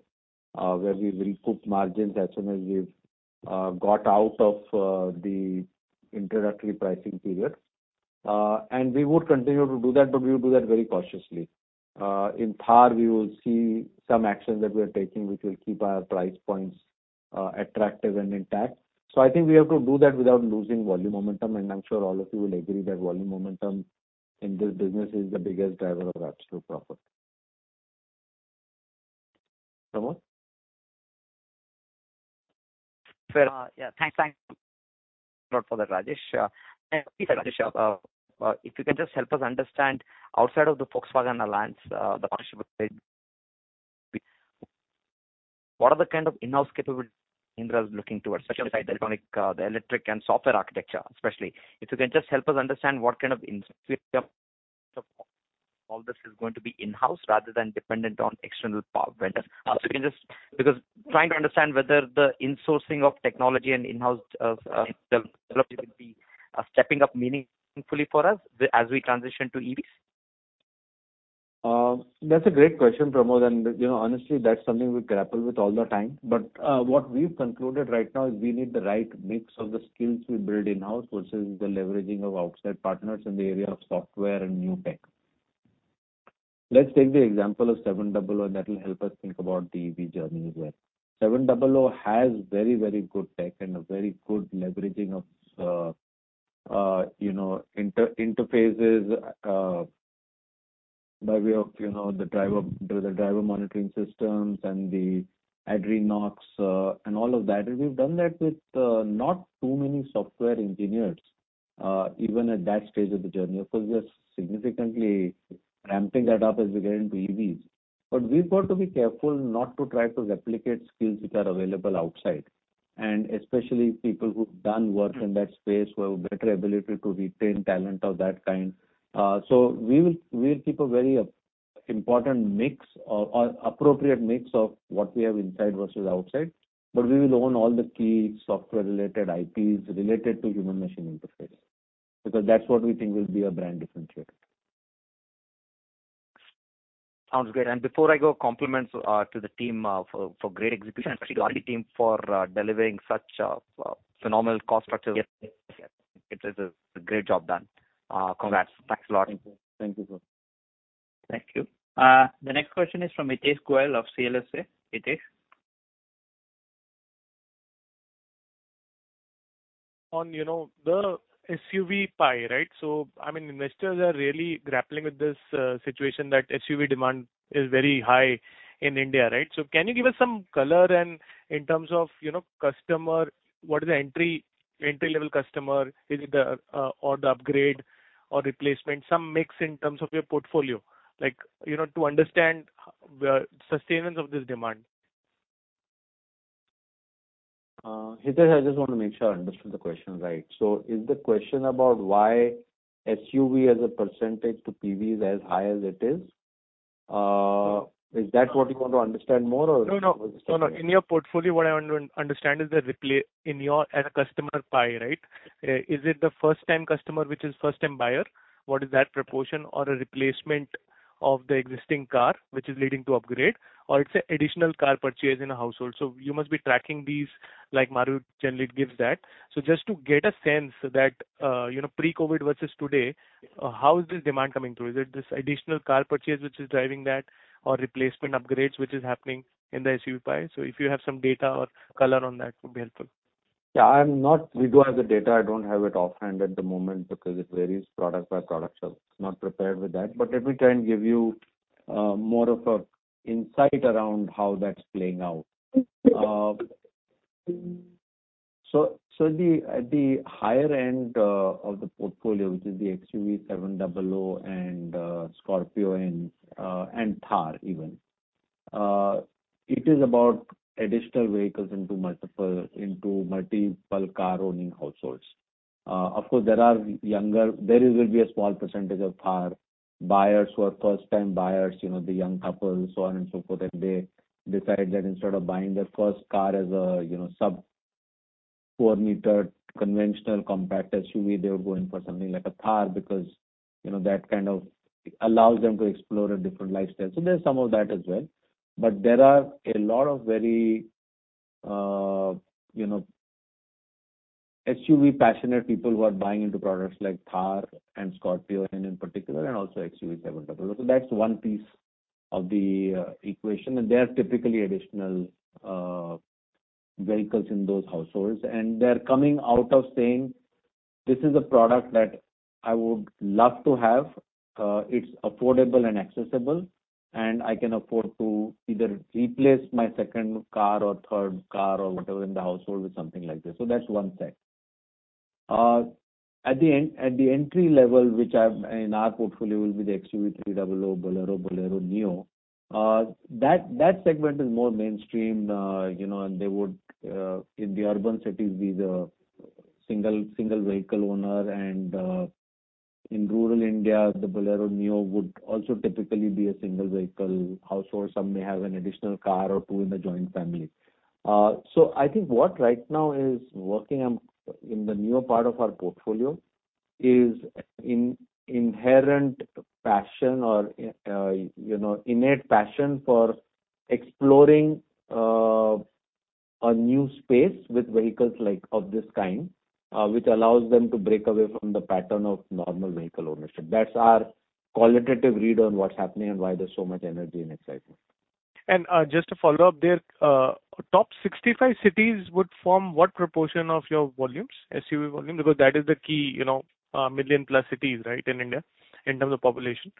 [SPEAKER 3] where we will cook margins as soon as we've got out of the introductory pricing period. We would continue to do that, but we will do that very cautiously. In Thar, we will see some actions that we are taking, which will keep our price points attractive and intact. I think we have to do that without losing volume momentum, and I'm sure all of you will agree that volume momentum in this business is the biggest driver of absolute profit. Pramod?
[SPEAKER 10] Fair. Yeah. Thanks a lot for that, Rajesh. Please, Rajesh, if you can just help us understand outside of the Volkswagen alliance, the partnership with. What are the kind of in-house capabilities Mahindra is looking towards, especially in the electronics, the electric and software architecture especially. If you can just help us understand what kind of insourcing of all this is going to be in-house rather than dependent on external partners. Can you just. Because trying to understand whether the insourcing of technology and in-house development will be stepping up meaningfully for us as we transition to EVs.
[SPEAKER 3] That's a great question, Pramod, and, you know, honestly, that's something we grapple with all the time. What we've concluded right now is we need the right mix of the skills we build in-house versus the leveraging of outside partners in the area of software and new tech. Let's take the example of XUV700, and that will help us think about the EV journey as well. XUV700 has very, very good tech and a very good leveraging of, you know, interfaces by way of, you know, the driver monitoring systems and the AdrenoX, and all of that. We've done that with not too many software engineers even at that stage of the journey. Of course, we are significantly ramping that up as we get into EVs. We've got to be careful not to try to replicate skills which are available outside, and especially people who've done work in that space who have better ability to retain talent of that kind. We will keep a very important mix or appropriate mix of what we have inside versus outside, but we will own all the key software-related IPs related to human machine interface, because that's what we think will be a brand differentiator.
[SPEAKER 10] Sounds great. Before I go, compliments to the team for great execution, especially the auto team for delivering such phenomenal cost structures.
[SPEAKER 3] Yes.
[SPEAKER 10] It is a great job done. Congrats. Thanks a lot.
[SPEAKER 3] Thank you. Thank you, sir.
[SPEAKER 1] Thank you. The next question is from Hitesh Goel of CLSA. Hitesh.
[SPEAKER 11] You know, the SUV pie, right? I mean, investors are really grappling with this situation that SUV demand is very high in India, right? Can you give us some color on, in terms of, you know, customer, what is the entry-level customer? Is it or the upgrade or replacement, some mix in terms of your portfolio, like, you know, to understand where sustenance of this demand?
[SPEAKER 3] Hitesh, I just want to make sure I understood the question right. Is the question about why SUV as a percentage to PV is as high as it is? Is that what you want to understand more or?
[SPEAKER 11] No, no. In your portfolio, what I want to understand is in your, as a customer pie, right? Is it the first time customer, which is first time buyer, what is that proportion or a replacement of the existing car which is leading to upgrade, or it's an additional car purchase in a household? You must be tracking these like Maruti generally gives that. Just to get a sense that, you know, pre-COVID versus today, how is this demand coming through? Is it this additional car purchase which is driving that or replacement upgrades, which is happening in the SUV pie? If you have some data or color on that would be helpful.
[SPEAKER 3] We do have the data. I don't have it offhand at the moment because it varies product by product. It's not prepared with that. Let me try and give you more of an insight around how that's playing out. The higher end of the portfolio, which is the XUV700 and Scorpio-N and Thar even, it is about additional vehicles into multiple car-owning households. Of course, there are younger. There will be a small percentage of Thar buyers who are first-time buyers, you know, the young couples, so on and so forth, and they decide that instead of buying their first car as a, you know, sub-four-meter conventional compact SUV, they're going for something like a Thar because, you know, that kind of allows them to explore a different lifestyle. There's some of that as well. There are a lot of very, you know, SUV passionate people who are buying into products like Thar and Scorpio-N in particular, and also XUV700. That's one piece of the equation, and they are typically additional vehicles in those households. They're coming out of saying, "This is a product that I would love to have. It's affordable and accessible, and I can afford to either replace my second car or third car or whatever in the household with something like this." That's one set. At the end, at the entry level, which in our portfolio will be the XUV300, Bolero Neo. That segment is more mainstream, you know, and they would in the urban cities be the single vehicle owner and in rural India, the Bolero Neo would also typically be a single vehicle household. Some may have an additional car or two in the joint family. I think what right now is working in the newer part of our portfolio is inherent passion or, you know, innate passion for exploring a new space with vehicles like of this kind, which allows them to break away from the pattern of normal vehicle ownership. That's our qualitative read on what's happening and why there's so much energy and excitement.
[SPEAKER 11] Just to follow up there, top 65 cities would form what proportion of your volumes, XUV volume? Because that is the key, you know, million-plus cities, right, in India in terms of population.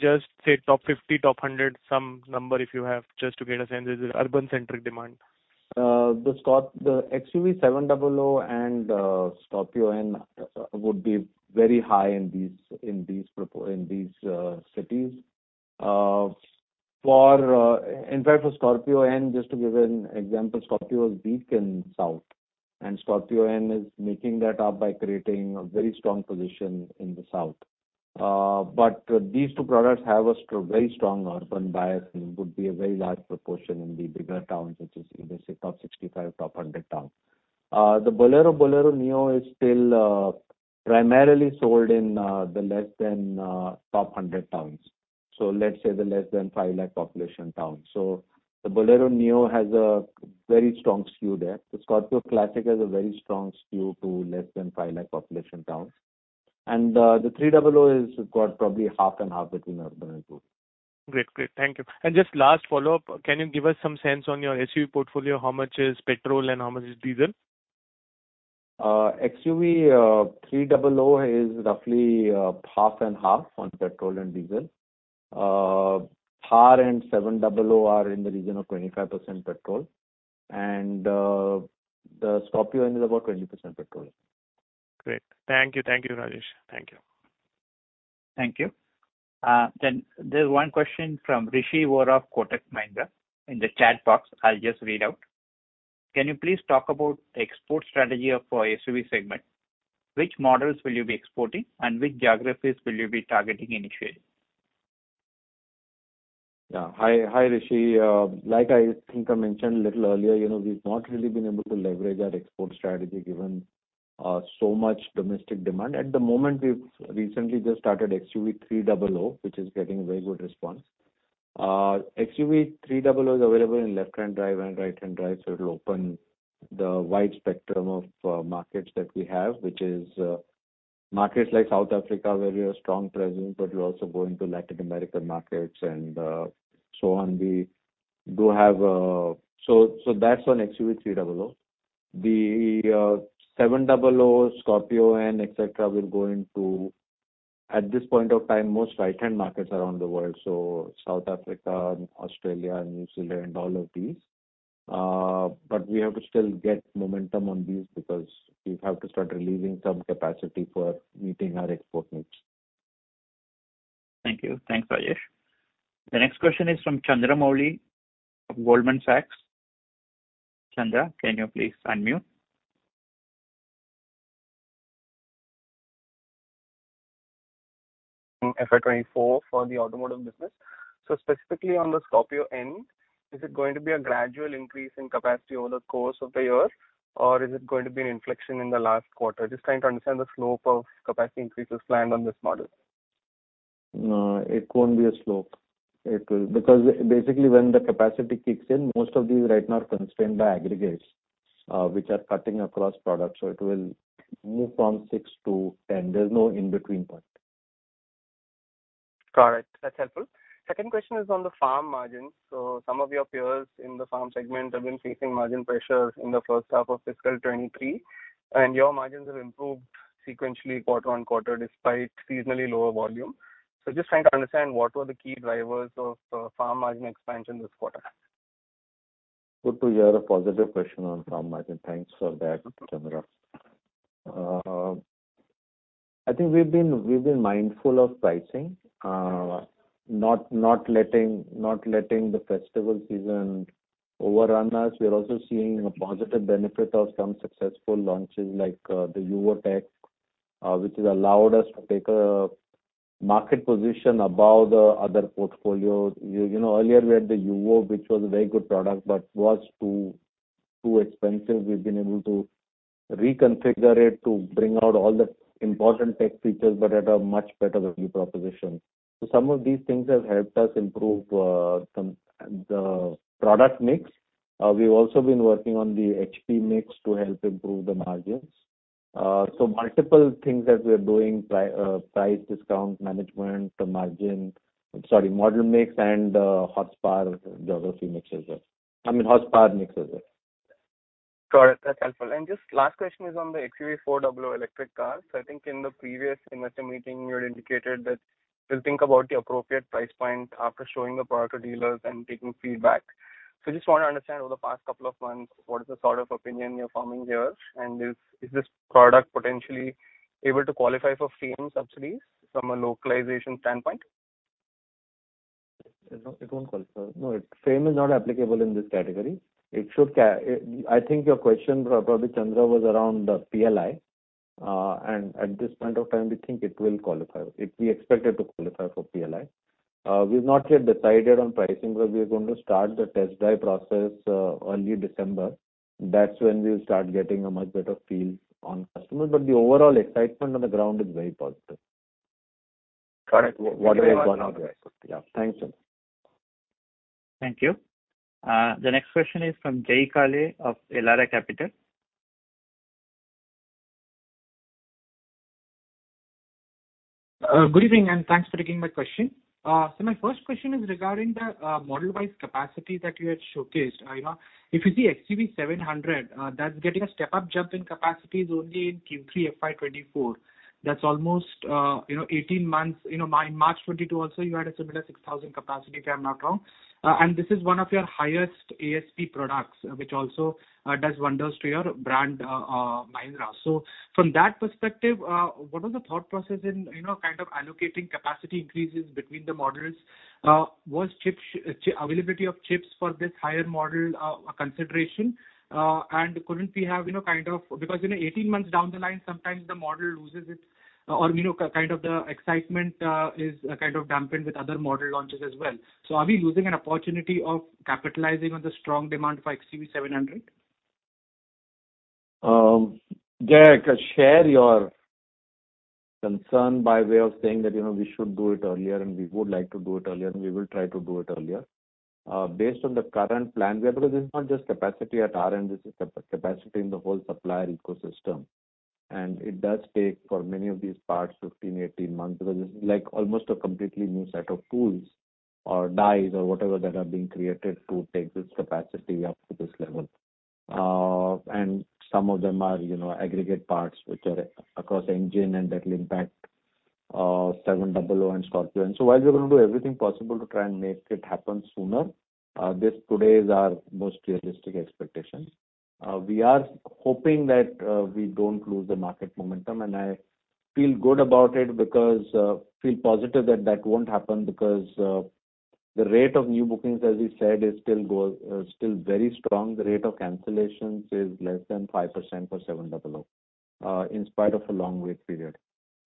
[SPEAKER 11] Just say top 50, top 100, some number if you have, just to get a sense, is it urban-centric demand?
[SPEAKER 3] The XUV700 and Scorpio-N would be very high in these cities. In fact for Scorpio-N, just to give an example, Scorpio is weak in south, and Scorpio-N is making that up by creating a very strong position in the south. These two products have very strong urban bias and would be a very large proportion in the bigger towns, which is, let's say top 65, top 100 towns. The Bolero Neo is still primarily sold in the less than top 100 towns. Let's say the less than 5 lakh population towns. The Bolero Neo has a very strong skew there. The Scorpio Classic has a very strong skew to less than 5 lakh population towns. The XUV300 has got probably half and half between urban and rural.
[SPEAKER 11] Great. Thank you. Just last follow-up, can you give us some sense on your XUV portfolio, how much is petrol and how much is diesel?
[SPEAKER 3] XUV300 is roughly half and half on petrol and diesel. Thar and XUV700 are in the region of 25% petrol. The Scorpio-N is about 20% petrol.
[SPEAKER 11] Great. Thank you. Thank you, Rajesh. Thank you.
[SPEAKER 1] Thank you. There's one question from Rishi Vora, Kotak Mahindra, in the chat box. I'll just read out. Can you please talk about export strategy for XUV segment? Which models will you be exporting, and which geographies will you be targeting initially?
[SPEAKER 3] Hi, Rishi. Like I think I mentioned a little earlier, you know, we've not really been able to leverage our export strategy given so much domestic demand. At the moment, we've recently just started XUV300, which is getting very good response. XUV300 is available in left-hand drive and right-hand drive, so it'll open the wide spectrum of markets that we have, which is markets like South Africa, where we have strong presence, but we're also going to Latin American markets and so on. So that's on XUV300. The XUV700, Scorpio-N, et cetera, will go into, at this point of time, most right-hand markets around the world, so South Africa and Australia and New Zealand, all of these. We have to still get momentum on these because we have to start releasing some capacity for meeting our export needs.
[SPEAKER 1] Thank you. Thanks, Rajesh. The next question is from Chandramouli of Goldman Sachs. Chandramouli, can you please unmute?
[SPEAKER 12] FY 2024 for the automotive business. Specifically on the Scorpio-N, is it going to be a gradual increase in capacity over the course of the year, or is it going to be an inflection in the last quarter? Just trying to understand the slope of capacity increases planned on this model.
[SPEAKER 3] No, it won't be a slope. It will because basically, when the capacity kicks in, most of these right now are constrained by aggregates, which are cutting across products. It will move from 6 to 10. There's no in-between point.
[SPEAKER 12] Correct. That's helpful. Second question is on the farm margins. Some of your peers in the farm segment have been facing margin pressures in the first half of fiscal 2023, and your margins have improved sequentially quarter on quarter despite seasonally lower volume. Just trying to understand what were the key drivers of farm margin expansion this quarter?
[SPEAKER 3] Good to hear a positive question on farm margin. Thanks for that, Chandra. I think we've been mindful of pricing, not letting the festival season overrun us. We are also seeing a positive benefit of some successful launches like the YUVO TECH+, which has allowed us to take a market position above the other portfolios. You know, earlier we had the YUVO, which was a very good product but was too expensive. We've been able to reconfigure it to bring out all the important tech features, but at a much better value proposition. Some of these things have helped us improve the product mix. We've also been working on the HP mix to help improve the margins. Multiple things that we are doing, price discount management, the margin, I'm sorry, model mix and horsepower geography mix as well. I mean, horsepower mix as well.
[SPEAKER 12] Got it. That's helpful. Just last question is on the XUV400 electric cars. I think in the previous investor meeting, you had indicated that you'll think about the appropriate price point after showing the product to dealers and taking feedback. Just want to understand over the past couple of months, what is the sort of opinion you're forming here? Is this product potentially able to qualify for FAME subsidies from a localization standpoint?
[SPEAKER 3] It won't qualify. No, FAME is not applicable in this category. I think your question, probably, Chandramouli, was around the PLI. At this point of time, we think it will qualify. We expect it to qualify for PLI. We've not yet decided on pricing, but we are going to start the test drive process early December. That's when we'll start getting a much better feel on customers. The overall excitement on the ground is very positive.
[SPEAKER 12] Got it.
[SPEAKER 3] Yeah. Thanks, Chandra.
[SPEAKER 1] Thank you. The next question is from Jay Kale of Elara Capital.
[SPEAKER 13] Good evening, and thanks for taking my question. My first question is regarding the model wise capacity that you had showcased. You know, if you see XUV700, that's getting a step-up jump in capacities only in Q3 FY2024. That's almost, you know, 18 months. You know, in March 2022 also, you had a similar 6,000 capacity, if I'm not wrong. This is one of your highest ASP products, which also does wonders to your brand, Mahindra. From that perspective, what was the thought process in, you know, kind of allocating capacity increases between the models? Was availability of chips for this higher model a consideration? Couldn't we have, you know, kind of. Because, you know, 18 months down the line, sometimes the model loses its, you know, kind of the excitement is kind of dampened with other model launches as well. Are we losing an opportunity of capitalizing on the strong demand for XUV700?
[SPEAKER 3] Jay, I can share your concern by way of saying that, you know, we should do it earlier, and we would like to do it earlier, and we will try to do it earlier. Based on the current plan we have, because it's not just capacity at our end, this is capacity in the whole supplier ecosystem. It does take, for many of these parts, 15, 18 months, because it's like almost a completely new set of tools or dies or whatever that are being created to take this capacity up to this level. Some of them are, you know, aggregate parts which are across engine and that will impact XUV700 and Scorpio. While we're gonna do everything possible to try and make it happen sooner, this today is our most realistic expectations. We are hoping that we don't lose the market momentum, and I feel good about it because I feel positive that won't happen because the rate of new bookings, as we said, is still very strong. The rate of cancellations is less than 5% for XUV700 in spite of a long wait period.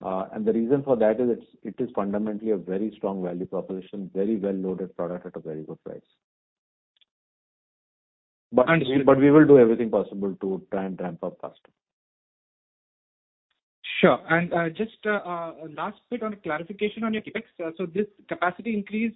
[SPEAKER 3] The reason for that is it is fundamentally a very strong value proposition, very well loaded product at a very good price.
[SPEAKER 13] And.
[SPEAKER 3] We will do everything possible to try and ramp up faster.
[SPEAKER 13] Sure. Just last bit on a clarification on your CapEx. This capacity increase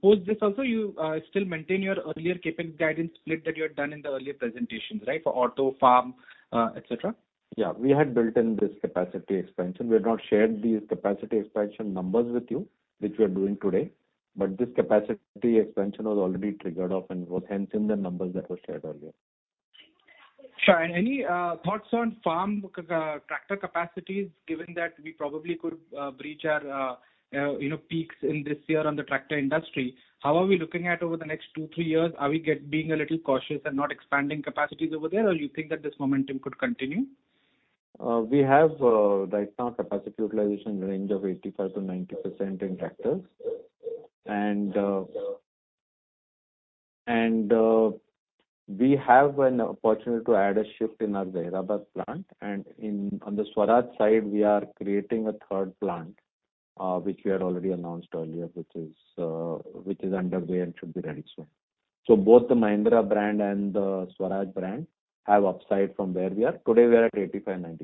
[SPEAKER 13] post this also you still maintain your earlier CapEx guidance split that you had done in the earlier presentations, right? For auto, farm, et cetera.
[SPEAKER 3] Yeah. We had built in this capacity expansion. We had not shared these capacity expansion numbers with you, which we are doing today. This capacity expansion was already triggered off and was hence in the numbers that were shared earlier.
[SPEAKER 13] Sure. Any thoughts on farm tractor capacities, given that we probably could reach our you know peaks in this year on the tractor industry? How are we looking at over the next two, three years? Are we being a little cautious and not expanding capacities over there, or you think that this momentum could continue?
[SPEAKER 3] We have right now capacity utilization range of 85%-90% in tractors. We have an opportunity to add a shift in our Hyderabad plant. On the Swaraj side, we are creating a third plant, which we had already announced earlier, which is underway and should be ready soon. Both the Mahindra brand and the Swaraj brand have upside from where we are. Today, we are at 85%-90%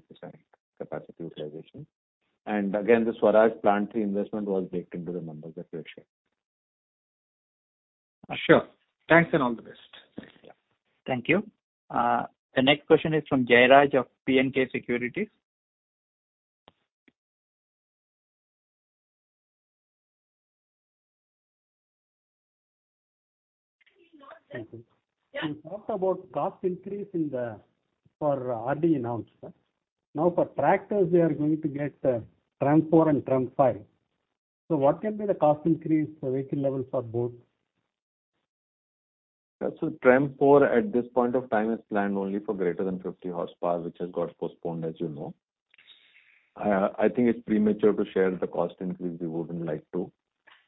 [SPEAKER 3] capacity utilization. Again, the Swaraj plant investment was baked into the numbers that we had shared.
[SPEAKER 13] Sure. Thanks, and all the best.
[SPEAKER 3] Yeah.
[SPEAKER 1] Thank you. The next question is from Jairaj of IIFL Securities.
[SPEAKER 14] Thank you.
[SPEAKER 3] Yeah.
[SPEAKER 14] You talked about cost increase for RDE norms. Now, for tractors, we are going to get TREM IV and TREM V. What can be the cost increase for vehicle levels for both?
[SPEAKER 3] TREM IV at this point of time is planned only for greater than 50 horsepower, which has got postponed, as you know. I think it's premature to share the cost increase. We wouldn't like to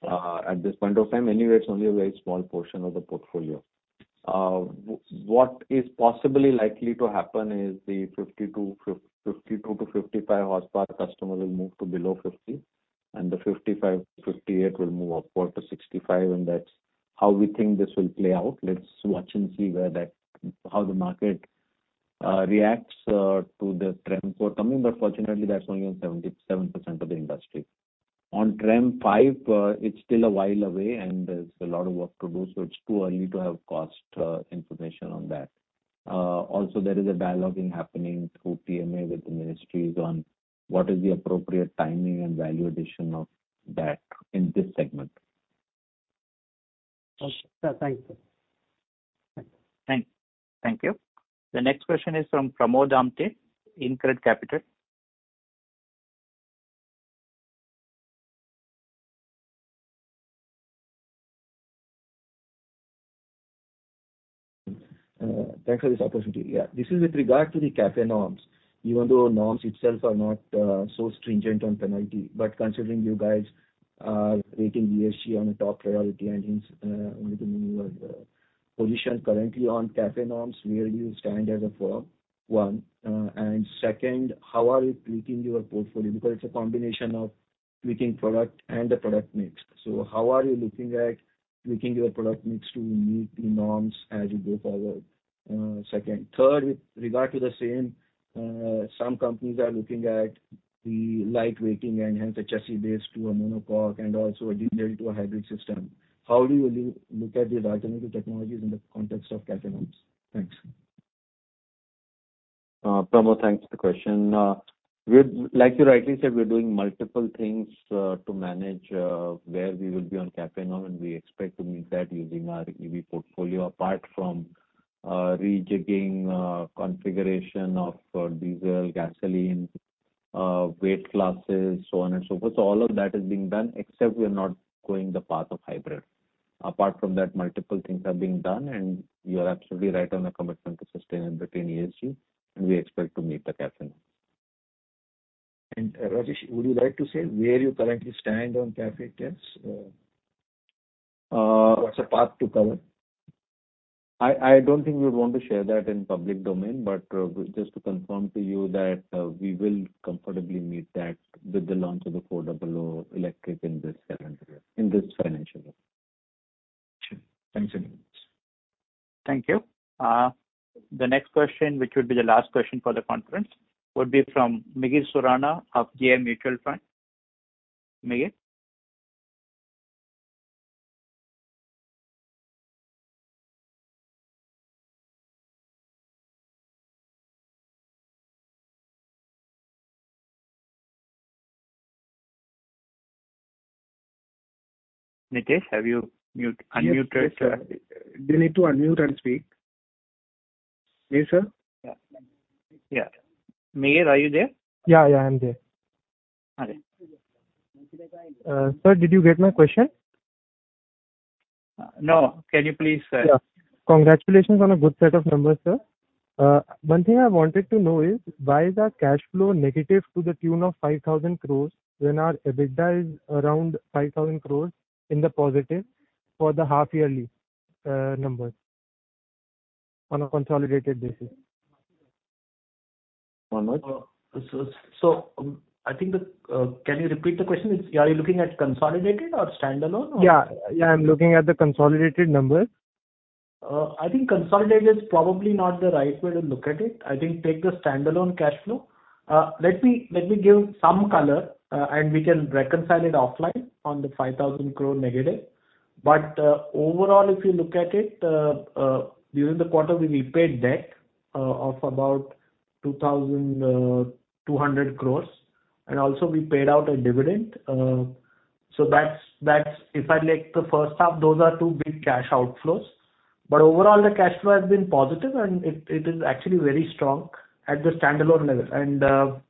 [SPEAKER 3] at this point of time. Anyway, it's only a very small portion of the portfolio. What is possibly likely to happen is the 50 to 52 to 55 horsepower customer will move to below 50, and the 55 to 58 will move upward to 65, and that's how we think this will play out. Let's watch and see how the market reacts to the TREM IV coming, but fortunately, that's only in 77% of the industry. On TREM V, it's still a while away, and there's a lot of work to do, so it's too early to have cost information on that. Also there is a dialogue being happening through TMA with the ministries on what is the appropriate timing and value addition of that in this segment.
[SPEAKER 14] Okay. Thank you.
[SPEAKER 3] Thank you.
[SPEAKER 1] Thank you. The next question is from Pramod Amthe, InCred Capital.
[SPEAKER 10] Thanks for this opportunity. This is with regard to the CAFE norms. Even though norms itself are not so stringent on penalty, but considering you guys are rating BEV on a top priority and is one of the main position currently on CAFE norms, where do you stand as a firm? One. Second, how are you tweaking your portfolio? Because it's a combination of tweaking product and the product mix. So how are you looking at tweaking your product mix to meet the norms as you go forward? Third, with regard to the same, some companies are looking at the lightweighting and hence the chassis-based to a monocoque and also a diesel to a hybrid system. How do you look at these alternative technologies in the context of CAFE norms? Thanks.
[SPEAKER 3] Pramod, thanks for the question. Like you rightly said, we're doing multiple things to manage where we will be on CAFE. We expect to meet that using our EV portfolio, apart from rejigging configuration of diesel, gasoline, weight classes, so on and so forth. All of that is being done except we are not going the path of hybrid. Apart from that, multiple things are being done, and you are absolutely right on the commitment to sustain it between ESG, and we expect to meet the CAFE.
[SPEAKER 15] Rajesh, would you like to say where you currently stand on CAFE tests? What's the path to cover?
[SPEAKER 3] I don't think we would want to share that in public domain, but just to confirm to you that we will comfortably meet that with the launch of the XUV400 in this calendar year, in this financial year.
[SPEAKER 15] Sure. Thanks very much.
[SPEAKER 1] Thank you. The next question, which would be the last question for the conference, would be from Mihir Surana of JM Financial Mutual Fund. Mihir. Mihir, have you muted, unmuted?
[SPEAKER 16] Yes, yes, sir.
[SPEAKER 1] You need to unmute and speak.
[SPEAKER 16] Yes, sir.
[SPEAKER 1] Yeah. Mihir, are you there?
[SPEAKER 16] Yeah, yeah, I'm there.
[SPEAKER 1] All right.
[SPEAKER 16] Sir, did you get my question?
[SPEAKER 1] No. Can you please say?
[SPEAKER 16] Congratulations on a good set of numbers, sir. One thing I wanted to know is, why is our cash flow negative to the tune of 5,000 crore when our EBITDA is around 5,000 crore in the positive for the half yearly numbers on a consolidated basis?
[SPEAKER 2] Manoj?
[SPEAKER 4] Can you repeat the question? Are you looking at consolidated or standalone or?
[SPEAKER 16] Yeah. Yeah, I'm looking at the consolidated numbers.
[SPEAKER 4] I think consolidated is probably not the right way to look at it. I think take the standalone cash flow. Let me give some color, and we can reconcile it offline on the 5,000 crore negative. Overall, if you look at it, during the quarter, we repaid debt of about 2,200 crores, and also we paid out a dividend. That's if I take the first half, those are two big cash outflows. Overall, the cash flow has been positive and it is actually very strong at the standalone level.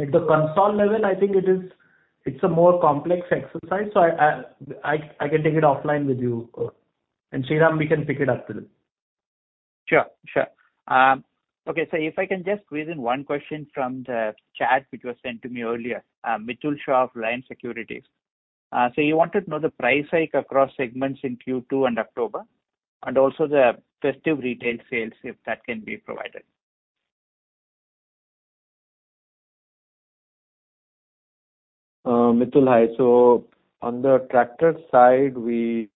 [SPEAKER 4] At the consolidated level, I think it is a more complex exercise. I can take it offline with you. Sriram, we can pick it up still.
[SPEAKER 1] Sure. Okay. If I can just squeeze in one question from the chat which was sent to me earlier, Mitul Shah of Reliance Securities. You wanted to know the price hike across segments in Q2 and October and also the festive retail sales, if that can be provided.
[SPEAKER 2] Mitul. Hi. On the tractor side, we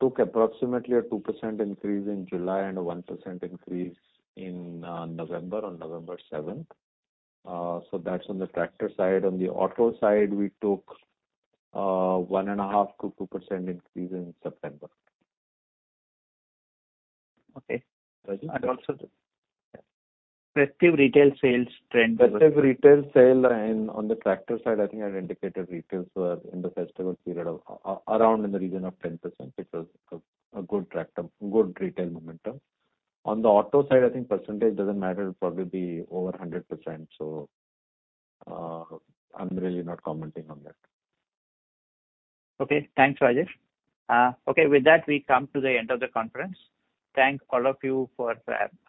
[SPEAKER 2] took approximately 2% increase in July and a 1% increase in November, on November seventh. That's on the tractor side. On the auto side, we took 1.5%-2% increase in September.
[SPEAKER 1] Okay.
[SPEAKER 2] Rajesh?
[SPEAKER 1] Also the festive retail sales trend.
[SPEAKER 3] Festive retail sale and on the tractor side, I think I indicated retails were in the festival period of around in the region of 10%, which was a good traction, good retail momentum. On the auto side, I think percentage doesn't matter, it'll probably be over 100%. I'm really not commenting on that.
[SPEAKER 1] Okay. Thanks, Rajesh. Okay, with that, we come to the end of the conference. Thank all of you for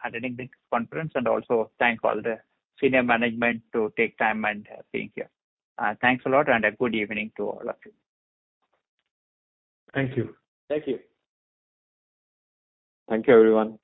[SPEAKER 1] attending this conference and also thank all the senior management to take time and being here. Thanks a lot and a good evening to all of you.
[SPEAKER 4] Thank you.
[SPEAKER 1] Thank you.
[SPEAKER 3] Thank you, everyone.